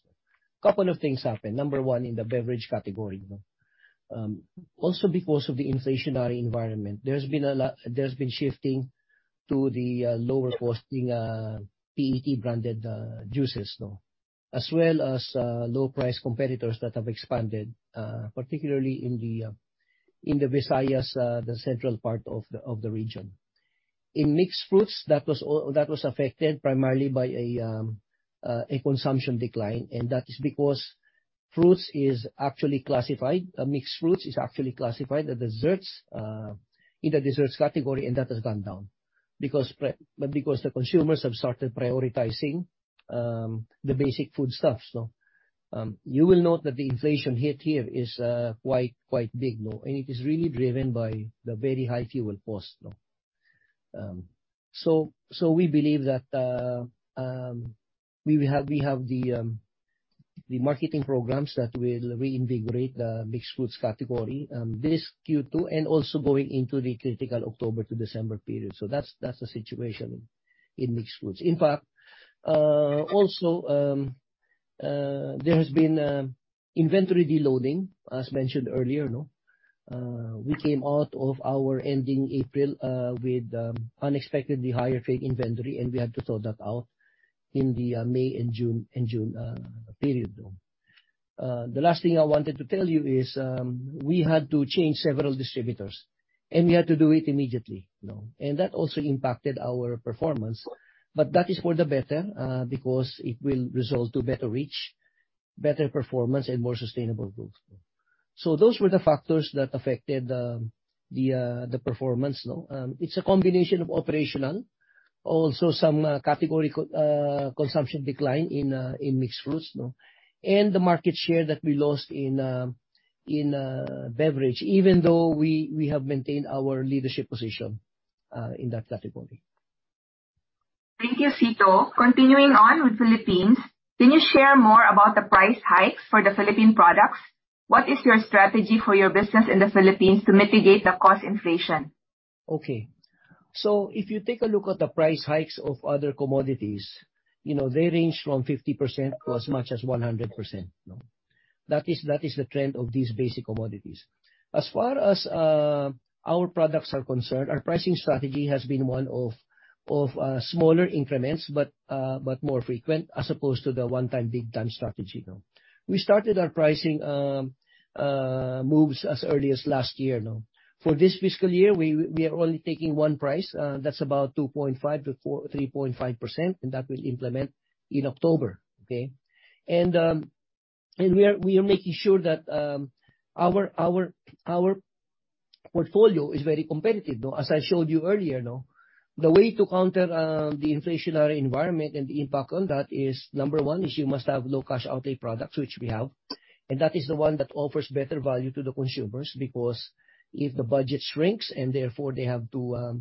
Couple of things happened. Number one, in the beverage category, you know. Also because of the inflationary environment, there's been shifting to the lower costing PET branded juices, no? As well as low price competitors that have expanded, particularly in the Visayas, the central part of the region. In mixed fruits, that was affected primarily by a consumption decline, and that is because mixed fruits is actually classified as desserts in the desserts category, and that has gone down because the consumers have started prioritizing the basic food stuffs, no? You will note that the inflation hit here is quite big, no? It is really driven by the very high fuel costs, no? So we believe that we have the marketing programs that will reinvigorate the mixed fruits category this Q2 and also going into the critical October to December period. That's the situation in mixed fruits. In fact, also, there has been inventory deloading, as mentioned earlier, no? We came out of our ending April with unexpectedly higher fruit inventory, and we had to sort that out in the May and June period, no? The last thing I wanted to tell you is we had to change several distributors, and we had to do it immediately, no? That also impacted our performance. That is for the better because it will result to better reach, better performance, and more sustainable growth. Those were the factors that affected the performance, no? It's a combination of operational, also some category consumption decline in mixed fruits, no? The market share that we lost in beverage, even though we have maintained our leadership position in that category. Thank you, Cito. Continuing on with Philippines, can you share more about the price hikes for the Philippine products? What is your strategy for your business in the Philippines to mitigate the cost inflation? If you take a look at the price hikes of other commodities, you know, they range from 50% to as much as 100%, no? That is the trend of these basic commodities. As far as our products are concerned, our pricing strategy has been one of smaller increments, but more frequent, as opposed to the one-time big time strategy, no? We started our pricing moves as early as last year, no? For this fiscal year, we are only taking one price, that's about 3.5%, and that will implement in October. Okay. We are making sure that our portfolio is very competitive, no? As I showed you earlier, no? The way to counter the inflationary environment and the impact on that is number one, you must have low cash outlay products, which we have. That is the one that offers better value to the consumers, because if the budget shrinks and therefore they have to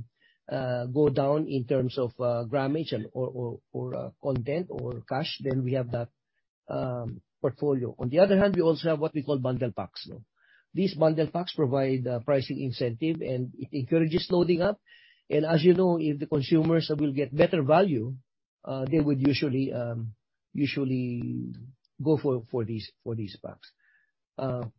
go down in terms of grammage or content or cash, then we have that portfolio. On the other hand, we also have what we call bundle packs, no? These bundle packs provide a pricing incentive, and it encourages loading up. As you know, if the consumers will get better value, they would usually go for these packs.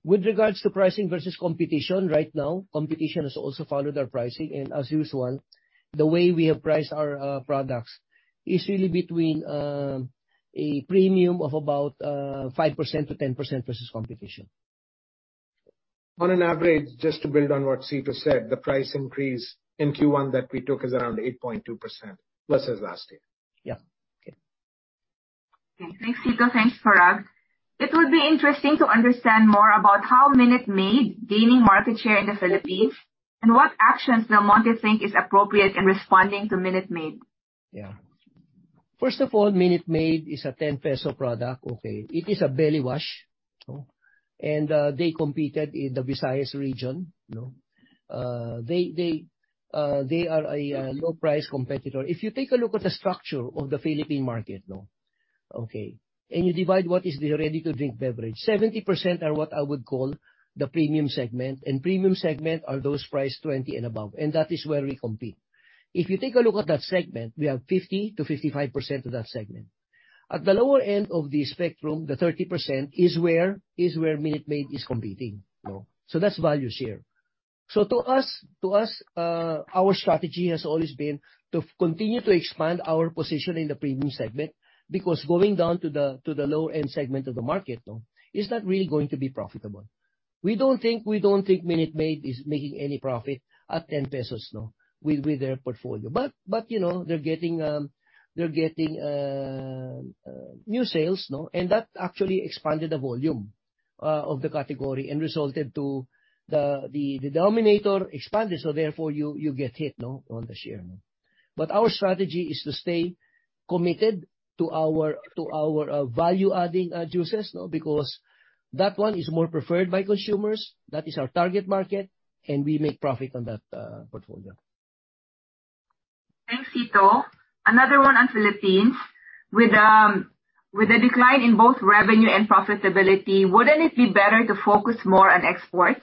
With regards to pricing versus competition, right now, competition has also followed our pricing, and as usual, the way we have priced our products is really between a premium of about 5%-10% versus competition. On average, just to build on what Cito said, the price increase in Q1 that we took is around 8.2% versus last year. Yeah. Okay. Thanks, Cito. Thanks, Parag. It would be interesting to understand more about how Minute Maid gaining market share in the Philippines, and what actions Del Monte think is appropriate in responding to Minute Maid? Yeah. First of all, Minute Maid is a 10 peso product, okay? It is a belly wash, no? They competed in the Visayas region, no? They are a low price competitor. If you take a look at the structure of the Philippine market, no? Okay. You divide what is the ready-to-drink beverage, 70% are what I would call the premium segment, and premium segment are those priced 20 and above, and that is where we compete. If you take a look at that segment, we have 50%-55% of that segment. At the lower end of the spectrum, the 30% is where Minute Maid is competing, no? That's value share. To us, our strategy has always been to continue to expand our position in the premium segment, because going down to the lower end segment of the market, no? Is not really going to be profitable. We don't think Minute Maid is making any profit at 10 pesos now with their portfolio. You know, they're getting new sales, no? And that actually expanded the volume of the category and resulted to the denominator expanded, so therefore you get hit, no, on the share. Our strategy is to stay committed to our value-adding juices, no, because that one is more preferred by consumers, that is our target market, and we make profit on that portfolio. Thanks, Cito. Another one on Philippines. With the decline in both revenue and profitability, wouldn't it be better to focus more on exports?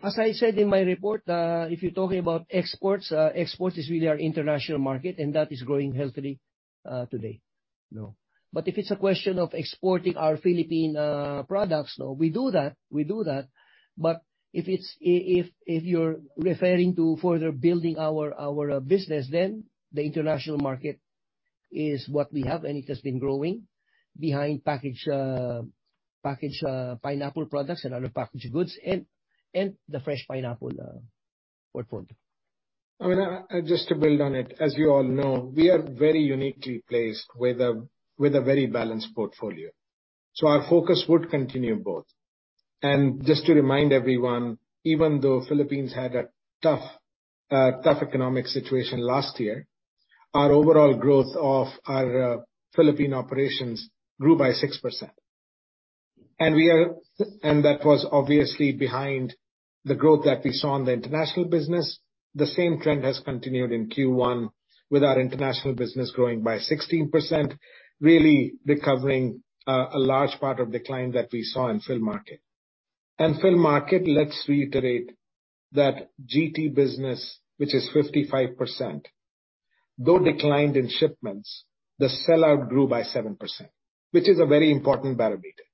As I said in my report, if you're talking about exports is really our international market, and that is growing healthily today, no. But if it's a question of exporting our Philippine products, no, we do that, but if you're referring to further building our business, then the international market is what we have, and it has been growing behind packaged pineapple products and other packaged goods and the fresh pineapple portfolio. I mean, just to build on it. As you all know, we are very uniquely placed with a very balanced portfolio. Our focus would continue both. Just to remind everyone, even though Philippines had a tough economic situation last year, our overall growth of our Philippine operations grew by 6%. That was obviously behind the growth that we saw on the international business. The same trend has continued in Q1 with our international business growing by 16%, really recovering a large part of decline that we saw in Philmarket. Philmarket, let's reiterate that GT business, which is 55%, though declined in shipments, the sellout grew by 7%, which is a very important barometer.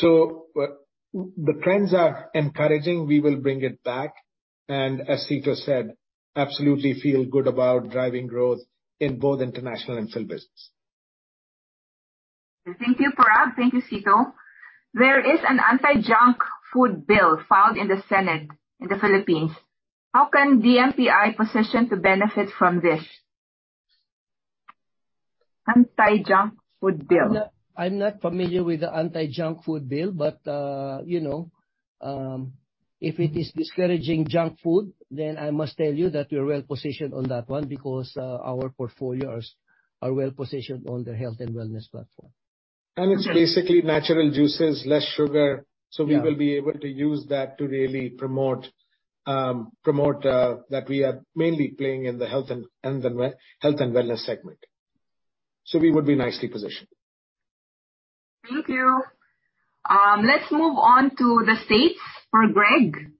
The trends are encouraging. We will bring it back, and as Cito said, absolutely feel good about driving growth in both international and Phil business. Thank you, Parag. Thank you, Cito. There is an anti-junk food bill filed in the Senate in the Philippines. How can DMPI position to benefit from this? Anti-junk food bill. I'm not familiar with the anti-junk food bill, but you know, if it is discouraging junk food, then I must tell you that we're well-positioned on that one because our portfolios are well-positioned on the health and wellness platform. It's basically natural juices, less sugar. Yeah. We will be able to use that to really promote that we are mainly playing in the health and wellness segment. We would be nicely positioned. Thank you. Let's move on to the States for Greg.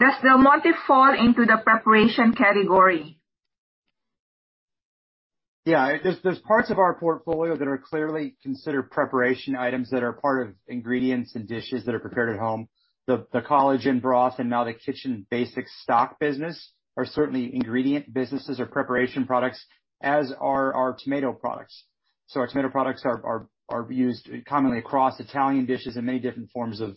Does Del Monte fall into the preparation category? Yeah. There are parts of our portfolio that are clearly considered preparation items that are part of ingredients and dishes that are prepared at home. The College Inn broth and now the Kitchen Basics stock business are certainly ingredient businesses or preparation products, as are our tomato products. Our tomato products are used commonly across Italian dishes and many different forms of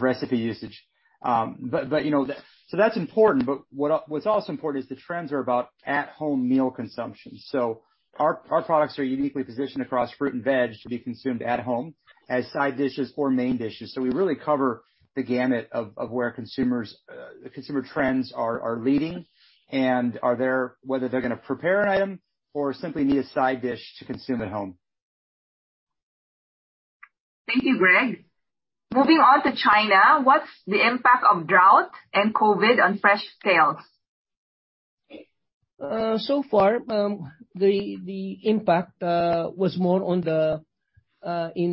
recipe usage. But you know that. That's important, but what's also important is the trends are about at home meal consumption. Our products are uniquely positioned across fruit and veg to be consumed at home as side dishes or main dishes. We really cover the gamut of where consumer trends are leading and whether they're gonna prepare an item or simply need a side dish to consume at home. Thank you, Greg. Moving on to China. What's the impact of drought and COVID on fresh sales? So far, the impact was more in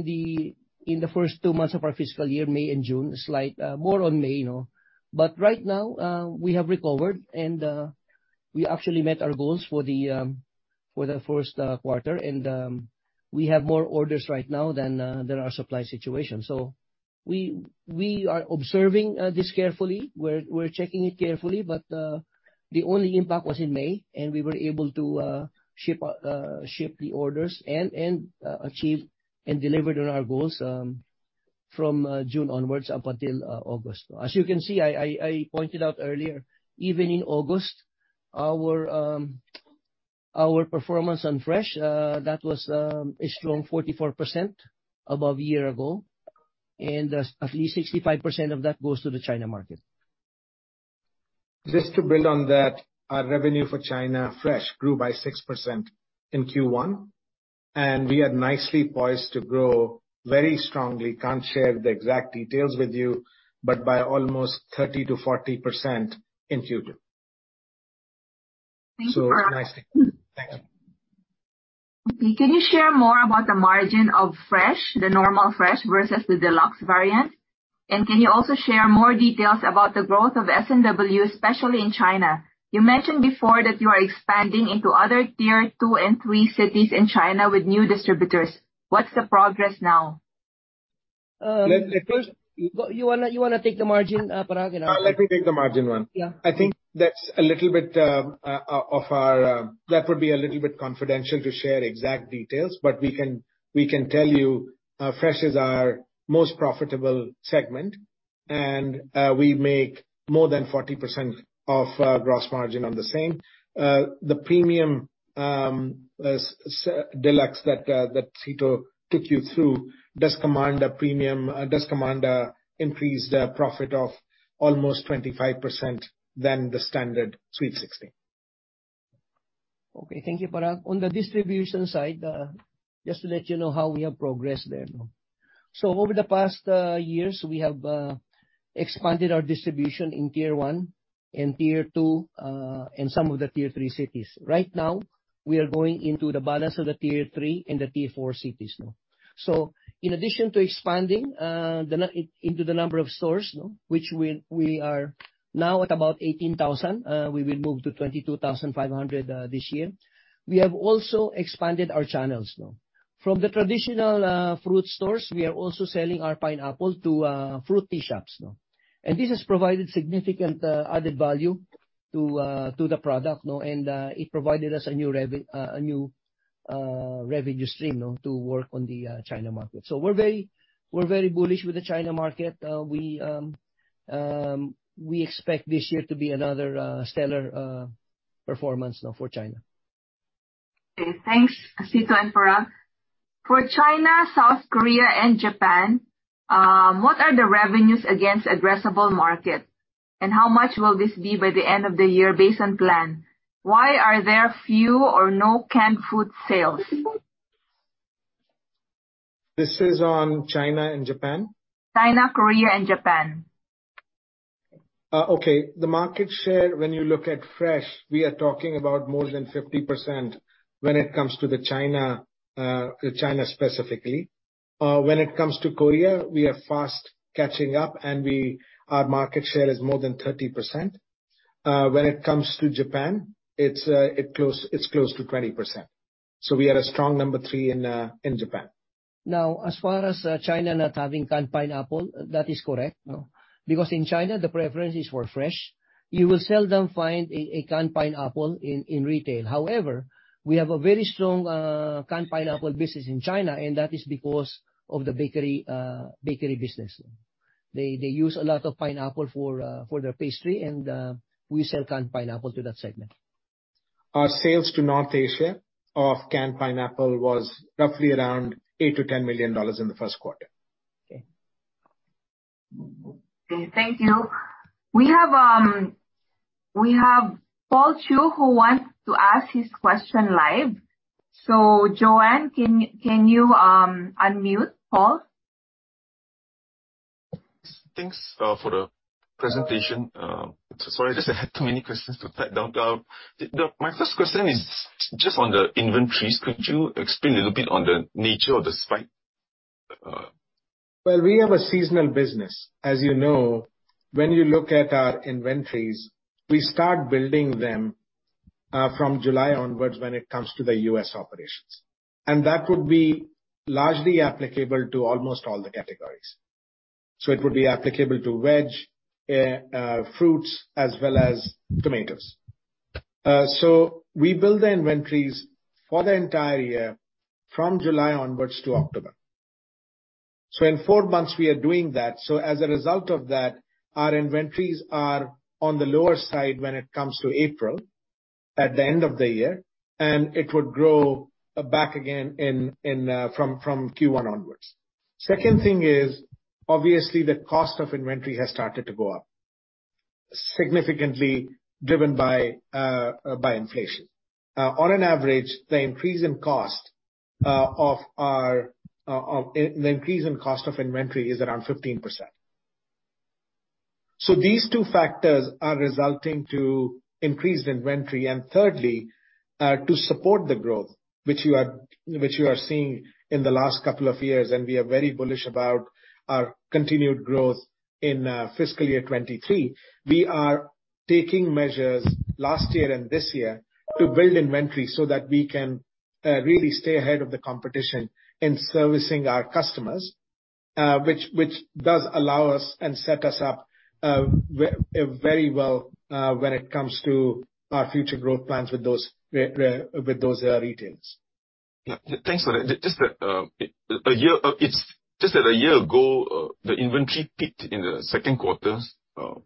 the first two months of our fiscal year, May and June, slight more on May, you know. Right now, we have recovered, and we actually met our goals for the first quarter. We have more orders right now than our supply situation. We are observing this carefully. We're checking it carefully. The only impact was in May, and we were able to ship the orders and achieve and delivered on our goals from June onwards up until August. As you can see, I pointed out earlier, even in August, our performance on fresh that was a strong 44% above a year ago. At least 65% of that goes to the China market. Just to build on that, our revenue for China fresh grew by 6% in Q1, and we are nicely poised to grow very strongly. Can't share the exact details with you, but by almost 30%-40% in Q2. Thank you, Parag. Nicely. Thanks. Can you share more about the margin of fresh, the normal fresh versus the deluxe variant? Can you also share more details about the growth of S&W, especially in China? You mentioned before that you are expanding into other tier two and three cities in China with new distributors. What's the progress now? Um- Let's first. You wanna take the margin, Parag, you know? Let me take the margin one. Yeah. I think that's a little bit confidential to share exact details, but we can tell you fresh is our most profitable segment, and we make more than 40% of gross margin on the same. The premium deluxe that Cito took you through does command a premium, does command a increased profit of almost 25% than the standard Sweet 16. Okay. Thank you, Parag. On the distribution side, just to let you know how we have progressed there. Over the past years, we have expanded our distribution in Tier 1 and Tier 2, and some of the Tier 3 cities. Right now, we are going into the balance of the Tier 3 and the Tier 4 cities now. In addition to expanding into the number of stores now, which we are now at about 18,000, we will move to 22,500 this year. We have also expanded our channels now. From the traditional fruit stores, we are also selling our pineapple to fruit tea shops now. This has provided significant added value to the product now, and it provided us a new revenue stream now to work on the China market. We're very bullish with the China market. We expect this year to be another stellar performance now for China. Okay, thanks, Cito and Parag. For China, South Korea, and Japan, what are the revenues against addressable market? How much will this be by the end of the year based on plan? Why are there few or no canned food sales? This is on China and Japan? China, Korea and Japan. Okay. The market share, when you look at fresh, we are talking about more than 50% when it comes to China specifically. When it comes to Korea, we are fast catching up, and our market share is more than 30%. When it comes to Japan, it's close to 20%. We are a strong number three in Japan. Now, as far as China not having canned pineapple, that is correct now. Because in China, the preference is for fresh. You will seldom find a canned pineapple in retail. However, we have a very strong canned pineapple business in China, and that is because of the bakery business. They use a lot of pineapple for their pastry and we sell canned pineapple to that segment. Our sales to North Asia of canned pineapple was roughly around $8 million-$10 million in the first quarter. Okay. Okay, thank you. We have Paul Chew who wants to ask his question live. Joanne, can you unmute Paul? Thanks for the presentation. Sorry, I just had too many questions to type down. My first question is just on the inventories. Could you explain a little bit on the nature of the spike? Well, we have a seasonal business. As you know, when you look at our inventories, we start building them from July onwards when it comes to the U.S. operations. That would be largely applicable to almost all the categories. It would be applicable to veg, fruits, as well as tomatoes. We build the inventories for the entire year from July onwards to October. In four months we are doing that. As a result of that, our inventories are on the lower side when it comes to April, at the end of the year, and it would grow back again from Q1 onwards. Second thing is, obviously the cost of inventory has started to go up, significantly driven by inflation. On average, the increase in cost of our inventory is around 15%. These two factors are resulting to increased inventory. Thirdly, to support the growth which you are seeing in the last couple of years, and we are very bullish about our continued growth in fiscal year 2023, we are taking measures last year and this year to build inventory so that we can really stay ahead of the competition in servicing our customers, which does allow us and set us up very well when it comes to our future growth plans with those retailers. Yeah. Thanks for that. Just a year ago, the inventory peaked in the second quarter. I'm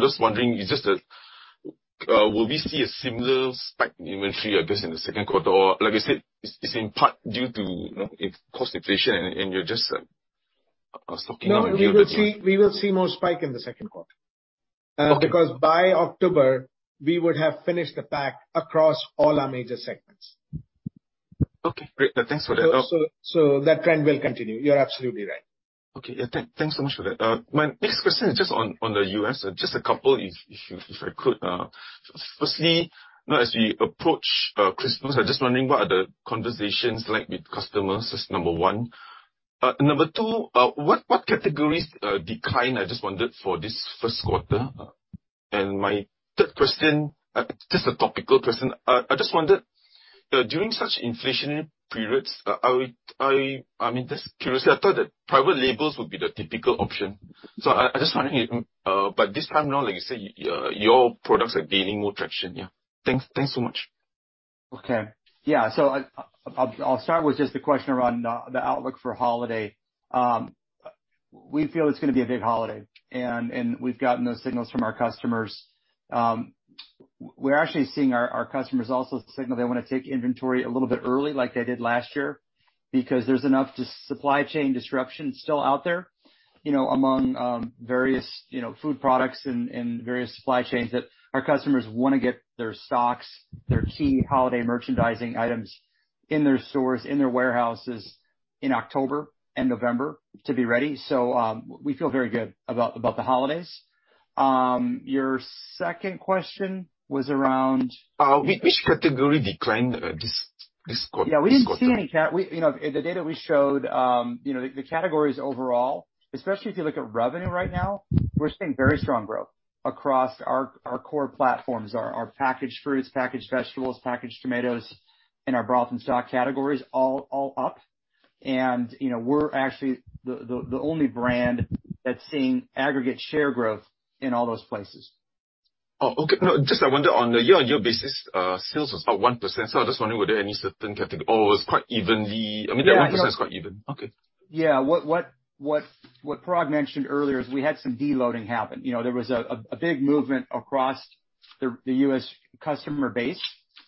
just wondering, will we see a similar spike in inventory, I guess, in the second quarter? Or like you said, it's in part due to, you know, cost inflation and you're just stocking up. No, we will see more spike in the second quarter. Okay. Because by October we would have finished the pack across all our major segments. Okay, great. Thanks for that. That trend will continue. You're absolutely right. Okay. Yeah. Thanks so much for that. My next question is just on the US, just a couple if I could. Firstly, now as we approach Christmas, I'm just wondering what the conversations are like with customers? That's number one. Number two, what categories declined, I just wondered, for this first quarter? My third question, just a topical question. I just wondered during such inflation periods, I would I mean, just curiosity, I thought that private labels would be the typical option. So I just wondering, but this time now, like you say, your products are gaining more traction. Yeah. Thanks so much. Okay. Yeah. I'll start with just the question around the outlook for holiday. We feel it's gonna be a big holiday, and we've gotten those signals from our customers. We're actually seeing our customers also signal they wanna take inventory a little bit early like they did last year because there's enough just supply chain disruption still out there, you know, among various, you know, food products and various supply chains that our customers wanna get their stocks, their key holiday merchandising items in their stores, in their warehouses in October and November to be ready. We feel very good about the holidays. Your second question was around? Which category declined this quarter? You know, the data we showed, the categories overall, especially if you look at revenue right now, we're seeing very strong growth across our core platforms. Our packaged fruits, packaged vegetables, packaged tomatoes, and our broth and stock categories all up. You know, we're actually the only brand that's seeing aggregate share growth in all those places. Oh, okay. No, just I wonder on the year-on-year basis, sales was up 1%, so I'm just wondering were there any certain category, or it was quite evenly? I mean that 1% is quite even. Okay. Yeah. What Parag mentioned earlier is we had some deloading happen. You know, there was a big movement across the U.S. customer base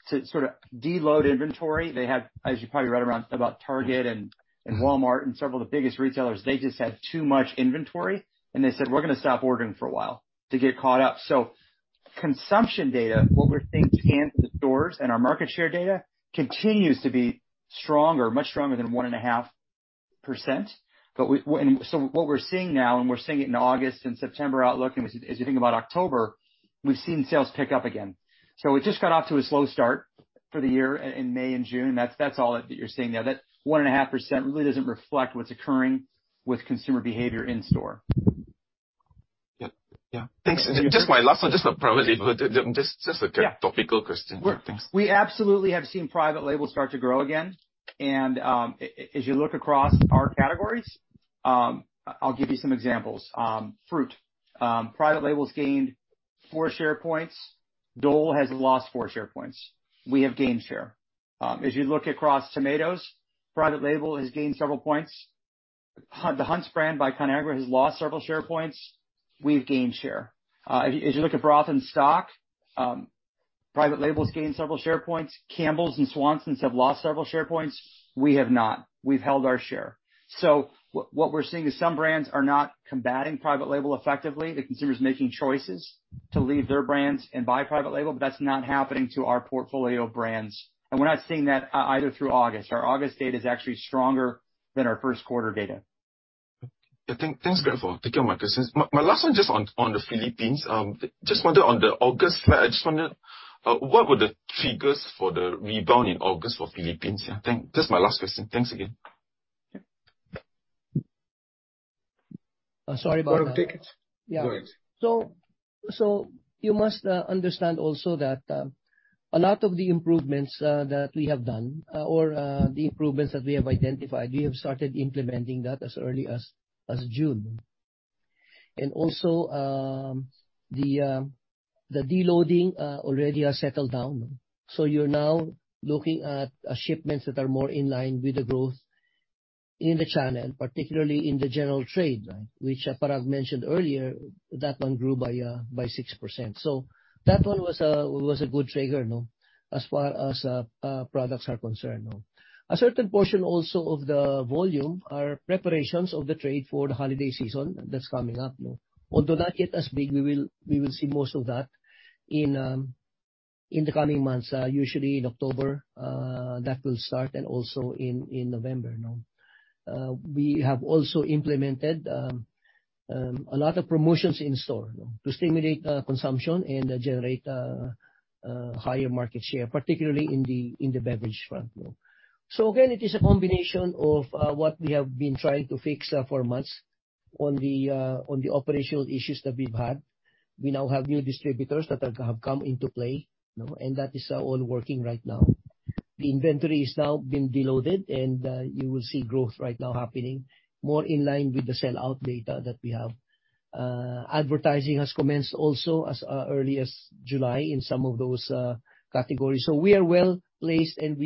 to sort of deload inventory. They had, as you probably read about Target and Walmart and several of the biggest retailers, they just had too much inventory and they said, "We're gonna stop ordering for a while to get caught up." Consumption data, what we're seeing scan to the stores and our market share data continues to be stronger, much stronger than 1.5%. What we're seeing now, and we're seeing it in August and September outlook, as you think about October, we've seen sales pick up again. It just got off to a slow start for the year in May and June. That's all that you're seeing there. That 1.5% really doesn't reflect what's occurring with consumer behavior in store. Yeah. Thanks. Just my last one. Probably just a topical question. Sure. Thanks. We absolutely have seen private labels start to grow again. As you look across our categories, I'll give you some examples. Fruit. Private labels gained four share points. Dole has lost four share points. We have gained share. As you look across tomatoes, private label has gained several points. The Hunt's brand by Conagra has lost several share points. We've gained share. If you look at broth and stock, private labels gained several share points. Campbell's and Swanson's have lost several share points. We have not. We've held our share. What we're seeing is some brands are not combating private label effectively. The consumer's making choices to leave their brands and buy private label, but that's not happening to our portfolio brands. We're not seeing that either through August. Our August data is actually stronger than our first quarter data. Yeah. Thanks, Greg Longstreet, for taking my questions. My last one just on the Philippines. Just wondered what the figures were for the rebound in August for Philippines? Yeah, just my last question. Thanks again. Yeah. Sorry about that. Go ahead. Yeah. You must understand also that a lot of the improvements that we have done or the improvements that we have identified, we have started implementing that as early as June. The deloading already are settled down. You're now looking at shipments that are more in line with the growth in the channel, particularly in the general trade, which Parag mentioned earlier, that one grew by 6%. That one was a good trigger, no? As far as products are concerned, no? A certain portion also of the volume are preparations of the trade for the holiday season that's coming up, no? Although not yet as big, we will see most of that in the coming months. Usually in October, that will start, and also in November, no? We have also implemented a lot of promotions in store, no? To stimulate consumption and generate higher market share, particularly in the beverage front, no? Again, it is a combination of what we have been trying to fix for months on the operational issues that we've had. We now have new distributors that have come into play, no? That is all working right now. The inventory is now being deloaded, and you will see growth right now happening more in line with the sell out data that we have. Advertising has commenced also as early as July in some of those categories. We are well-placed, and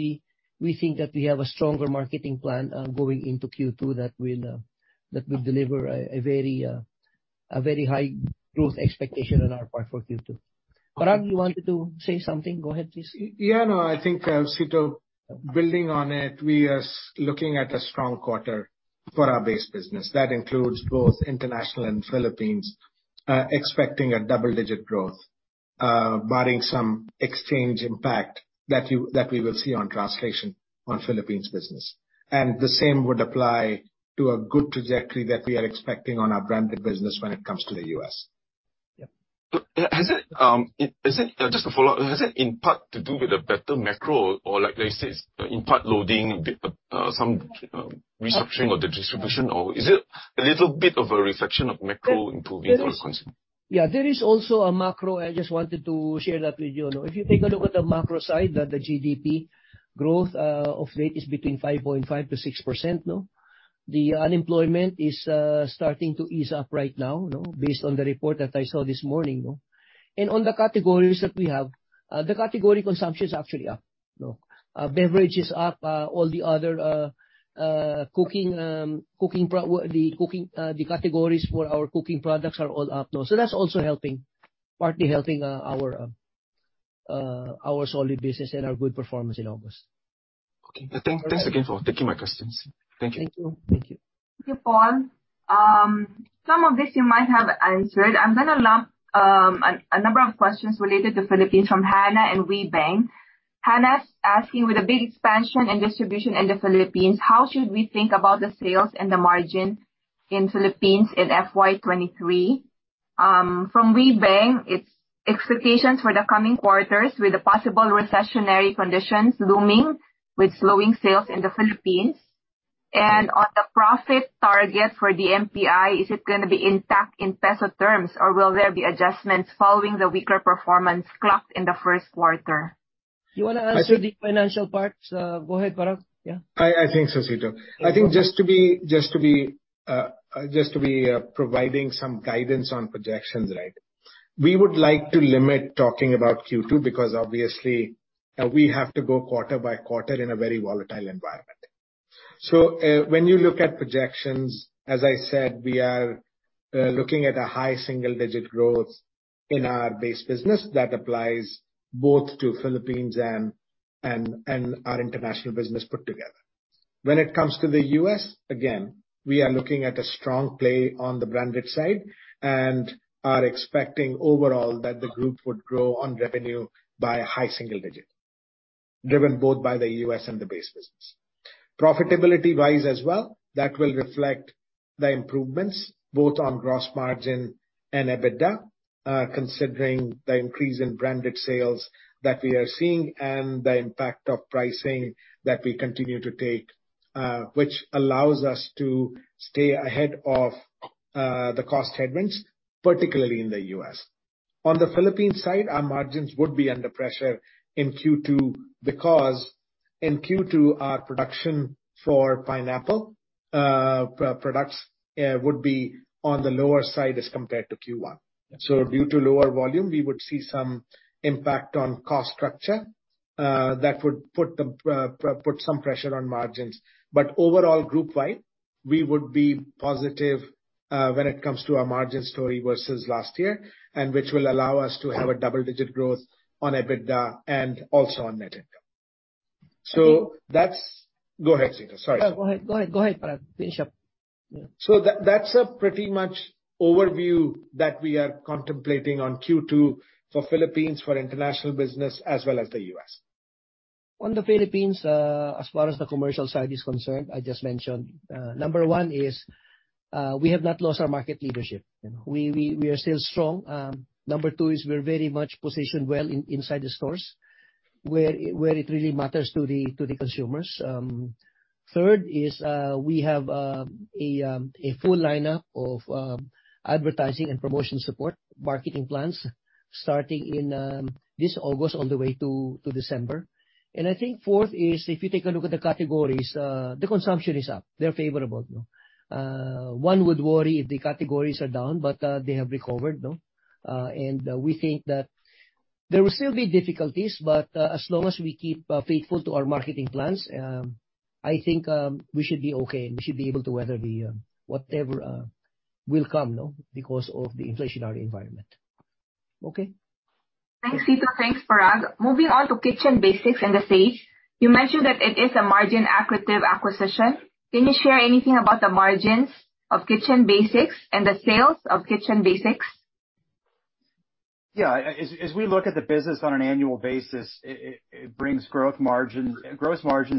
we think that we have a stronger marketing plan going into Q2 that will deliver a very high growth expectation on our part for Q2. Parag, you wanted to say something? Go ahead, please. Yeah, no, I think, Cito, building on it, we are looking at a strong quarter for our base business. That includes both international and Philippines, expecting a double-digit growth, barring some exchange impact that we will see on translation on Philippines business. The same would apply to a good trajectory that we are expecting on our branded business when it comes to the US. Yeah. Just a follow-up. Has it in part to do with a better macro or like they say, it's in part loading some restructuring of the distribution or is it a little bit of a reflection of macro improving for consumption? Yeah, there is also a macro. I just wanted to share that with you. If you take a look at the macro side, the GDP growth of late is between 5.5%-6%. The unemployment is starting to ease up right now based on the report that I saw this morning. On the categories that we have, the category consumption is actually up. Beverage is up. All the other cooking categories for our cooking products are all up. That's also helping, partly helping, our solid business and our good performance in August. Okay. Thanks, thanks again for taking my questions. Thank you. Thank you. Thank you. Thank you, Paul. Some of this you might have answered. I'm gonna lump a number of questions related to Philippines from Hannah and Wei Bunn. Hannah's asking, with a big expansion and distribution in the Philippines, how should we think about the sales and the margin in Philippines in FY 2023? From Wai Bunn, it's expectations for the coming quarters with the possible recessionary conditions looming with slowing sales in the Philippines. On the profit target for the MPI, is it gonna be intact in peso terms, or will there be adjustments following the weaker performance clocked in the first quarter? You wanna answer the financial parts? Go ahead, Parag. Yeah. I think so, Cito. I think just to be providing some guidance on projections, right? We would like to limit talking about Q2 because obviously we have to go quarter by quarter in a very volatile environment. When you look at projections, as I said, we are looking at a high single-digit growth in our base business. That applies both to Philippines and our international business put together. When it comes to the US, again, we are looking at a strong play on the branded side, and are expecting overall that the group would grow on revenue by a high single-digit, driven both by the U.S. and the base business. Profitability-wise as well, that will reflect the improvements both on gross margin and EBITDA, considering the increase in branded sales that we are seeing and the impact of pricing that we continue to take, which allows us to stay ahead of the cost headwinds, particularly in the U.S. On the Philippines side, our margins would be under pressure in Q2 because in Q2, our production for pineapple products would be on the lower side as compared to Q1. Due to lower volume, we would see some impact on cost structure that would put some pressure on margins. Overall, group wide, we would be positive when it comes to our margin story versus last year, and which will allow us to have a double-digit growth on EBITDA and also on net income. That's. Go ahead, Cito. Sorry. No, go ahead, Parag. Finish up. Yeah. That's a pretty much overview that we are contemplating on Q2 for Philippines, for international business, as well as the U.S. On the Philippines, as far as the commercial side is concerned, I just mentioned, number one is, we have not lost our market leadership. We are still strong. Number two is we're very much positioned well inside the stores, where it really matters to the consumers. Third is, we have a full lineup of advertising and promotion support, marketing plans starting in this August all the way to December. I think fourth is, if you take a look at the categories, the consumption is up. They're favorable. One would worry if the categories are down, but they have recovered, no? We think that there will still be difficulties, but as long as we keep faithful to our marketing plans, I think we should be okay, and we should be able to weather the whatever will come because of the inflationary environment. Okay. Thanks, Cito. Thanks, Parag. Moving on to Kitchen Basics and the stake. You mentioned that it is a margin accretive acquisition. Can you share anything about the margins of Kitchen Basics and the sales of Kitchen Basics? Yeah. As we look at the business on an annual basis, it brings gross margins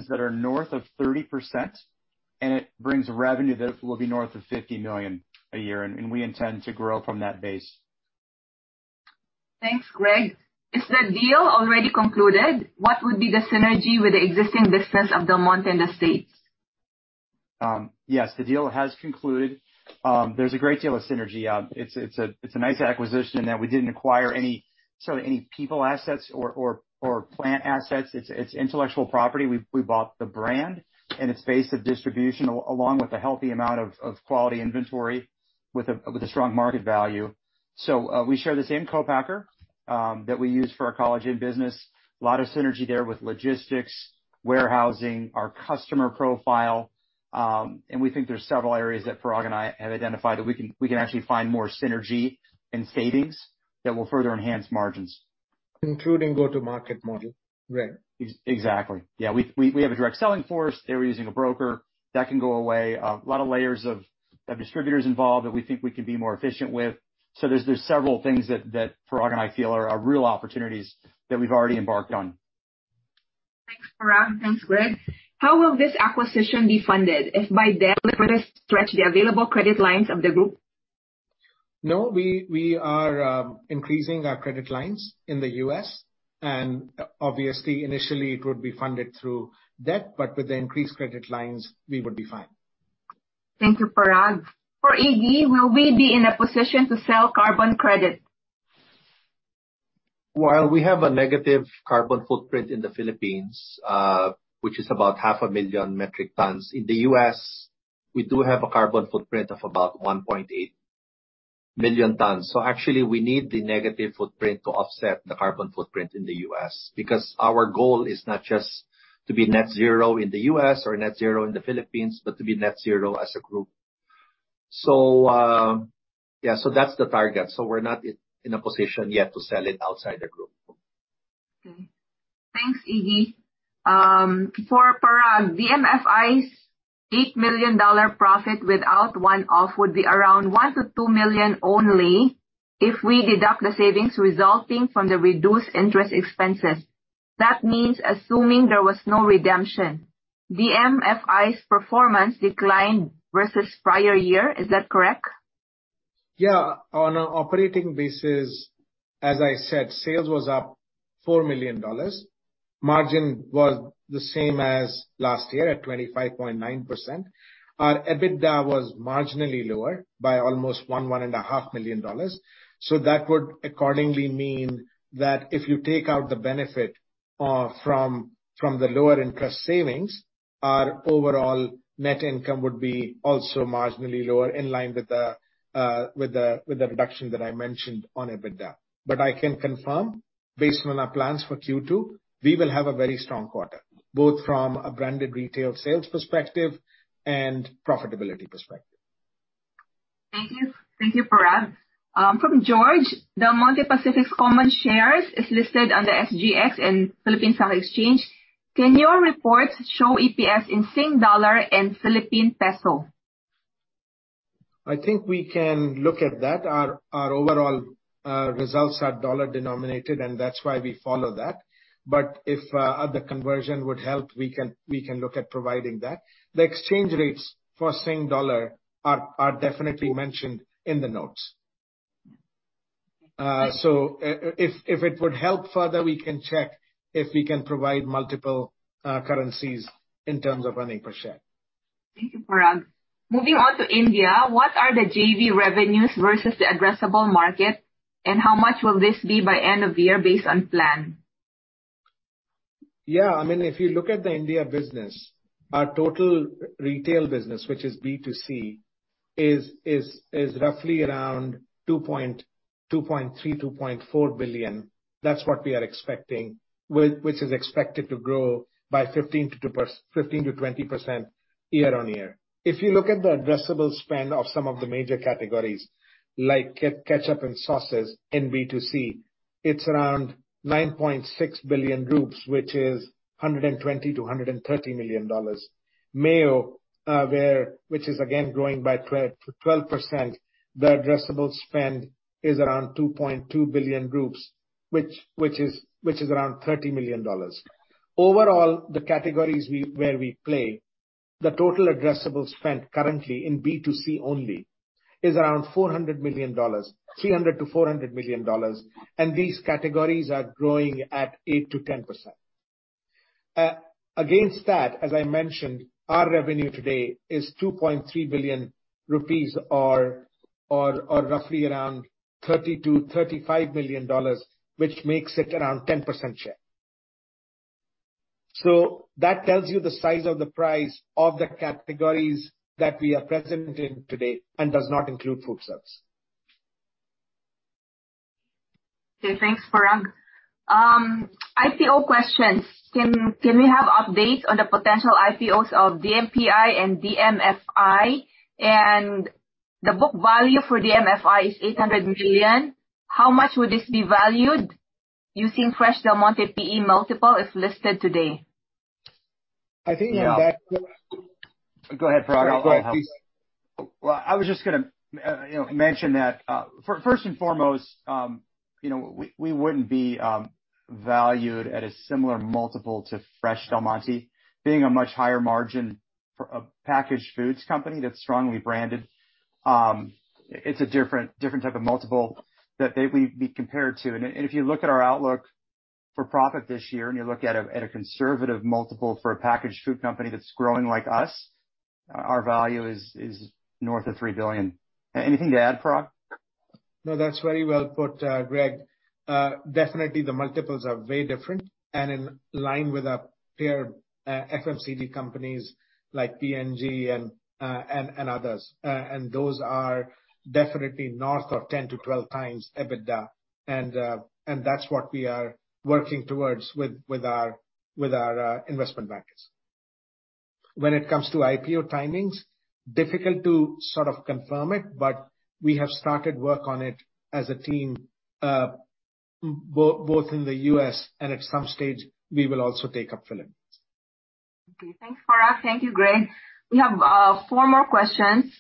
that are north of 30%, and it brings revenue that will be north of $50 million a year, and we intend to grow from that base. Thanks, Greg. Is the deal already concluded? What would be the synergy with the existing business of Del Monte in the States? Yes, the deal has concluded. There's a great deal of synergy. It's a nice acquisition in that we didn't acquire any sort of people assets or plant assets. It's intellectual property. We bought the brand and its base of distribution, along with a healthy amount of quality inventory with a strong market value. We share the same co-packer that we use for our collagen business. A lot of synergy there with logistics, warehousing, our customer profile, and we think there's several areas that Parag and I have identified that we can actually find more synergy and savings that will further enhance margins. Including go-to-market model. Right. Exactly. Yeah. We have a direct selling force. They were using a broker. That can go away. A lot of layers of distributors involved that we think we can be more efficient with. There's several things that Parag and I feel are real opportunities that we've already embarked on. Thanks, Parag. Thanks, Greg. How will this acquisition be funded? If by debt, will it stretch the available credit lines of the group? No, we are increasing our credit lines in the U.S., and obviously, initially, it would be funded through debt, but with the increased credit lines, we would be fine. Thank you, Parag. For Iggy, will we be in a position to sell carbon credit? While we have a negative carbon footprint in the Philippines, which is about 500,000 metric tons, in the U.S. we do have a carbon footprint of about 1.8 million tons. Actually we need the negative footprint to offset the carbon footprint in the US, because our goal is not just to be net zero in the U.S. or net zero in the Philippines, but to be net zero as a group. That's the target. We're not in a position yet to sell it outside the group. Okay. Thanks, Iggy. For Parag, DMFI's $8 million profit without one-off would be around $1 million-$2 million only if we deduct the savings resulting from the reduced interest expenses. That means assuming there was no redemption. DMFI's performance declined versus prior year. Is that correct? Yeah. On an operating basis, as I said, sales was up $4 million. Margin was the same as last year at 25.9%. Our EBITDA was marginally lower by almost $1.5 million. That would accordingly mean that if you take out the benefit from the lower interest savings, our overall net income would be also marginally lower in line with the reduction that I mentioned on EBITDA. I can confirm based on our plans for Q2, we will have a very strong quarter, both from a branded retail sales perspective and profitability perspective. Thank you. Thank you, Parag. From George. Del Monte Pacific's common shares is listed under SGX and Philippine Stock Exchange. Can your reports show EPS in Sing dollar and Philippine peso? I think we can look at that. Our overall results are dollar-denominated, and that's why we follow that. If the conversion would help, we can look at providing that. The exchange rates for Singapore dollar are definitely mentioned in the notes. Yeah. If it would help further, we can check if we can provide multiple currencies in terms of earnings per share. Thank you, Parag. Moving on to India, what are the JV revenues versus the addressable market, and how much will this be by end of year based on plan? I mean, if you look at the India business, our total retail business, which is B2C, is roughly around 2.3-2.4 billion. That's what we are expecting. Which is expected to grow by 15%-20% year-on-year. If you look at the addressable spend of some of the major categories, like ketchup and sauces in B2C, it's around 9.6 billion rupees, which is $120 million-$130 million. Mayo, which is again growing by 12%, the addressable spend is around 2.2 billion, which is around $30 million. Overall, the categories where we play, the total addressable spend currently in B2C only is around $400 million, $300 million-$400 million, and these categories are growing at 8%-10%. Against that, as I mentioned, our revenue today is 2.3 billion rupees or roughly around $30 million-$35 million, which makes it around 10% share. That tells you the size of the pie of the categories that we are present in today and does not include food service. Thanks, Parag. IPO questions. Can we have updates on the potential IPOs of DMPI and DMFI? The book value for DMFI is $800 million. How much would this be valued using Fresh Del Monte P/E multiple as listed today? I think on that. Yeah. Go ahead, Parag. I'll help. No, please. Well, I was just gonna, you know, mention that, first and foremost, you know, we wouldn't be valued at a similar multiple to Fresh Del Monte. Being a much higher margin for a packaged foods company that's strongly branded, it's a different type of multiple that they'd be compared to. If you look at our outlook for profit this year, and you look at a conservative multiple for a packaged food company that's growing like us, our value is north of $3 billion. Anything to add, Parag? No, that's very well put, Greg. Definitely the multiples are very different and in line with our peer FMCG companies like P&G and others. Those are definitely north of 10-12x EBITDA. That's what we are working towards with our investment bankers. When it comes to IPO timings, difficult to sort of confirm it, but we have started work on it as a team, both in the U.S. and at some stage we will also take up Philippines. Okay. Thanks, Parag. Thank you, Greg. We have four more questions.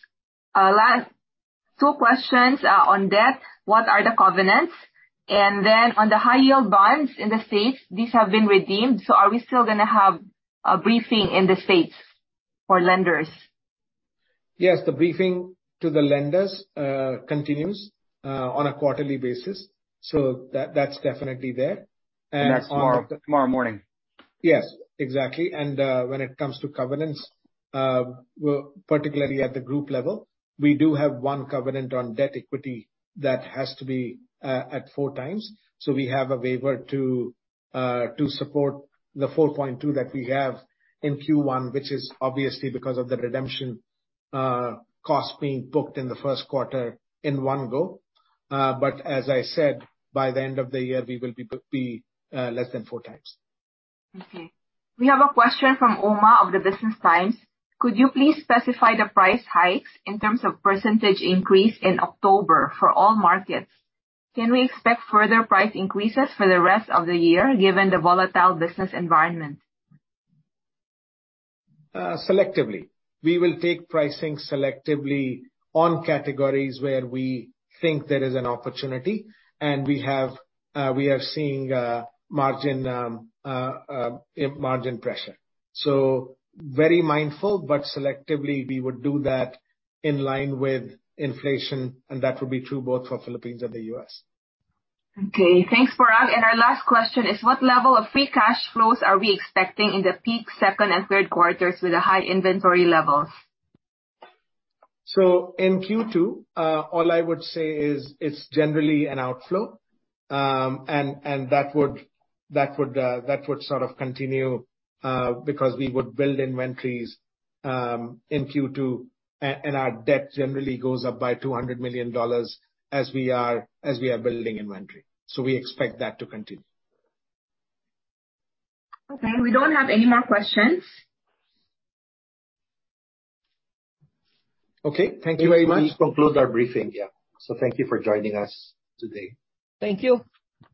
Last two questions are on debt. What are the covenants? Then on the high yield bonds in the States, these have been redeemed, so are we still gonna have a briefing in the States for lenders? Yes. The briefing to the lenders continues on a quarterly basis. That's definitely there. That's tomorrow morning. Yes, exactly. When it comes to covenants, particularly at the group level, we do have one covenant on debt equity that has to be at four times. We have a waiver to support the 4.2 that we have in Q1, which is obviously because of the redemption cost being booked in the first quarter in one go. But as I said, by the end of the year, we will be less than four times. Okay. We have a question from Oma of the Business Times. Could you please specify the price hikes in terms of percentage increase in October for all markets? Can we expect further price increases for the rest of the year, given the volatile business environment? Selectively. We will take pricing selectively on categories where we think there is an opportunity, and we are seeing margin pressure. Very mindful, but selectively we would do that in line with inflation, and that would be true both for Philippines and the U.S. Okay. Thanks, Parag. Our last question is: What level of free cash flows are we expecting in the peak second and third quarters with the high inventory levels? In Q2, all I would say is it's generally an outflow. That would sort of continue because we would build inventories in Q2. Our debt generally goes up by $200 million as we are building inventory. We expect that to continue. Okay. We don't have any more questions. Okay. Thank you very much. We've concluded our briefing, yeah. Thank you for joining us today. Thank you.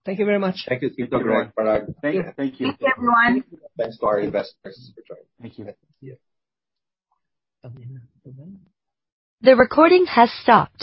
Thank you very much. Thank you, Cito. Thank you, Parag. Thank you. Thanks, everyone. Thanks to our investors for joining. Thank you. The recording has stopped.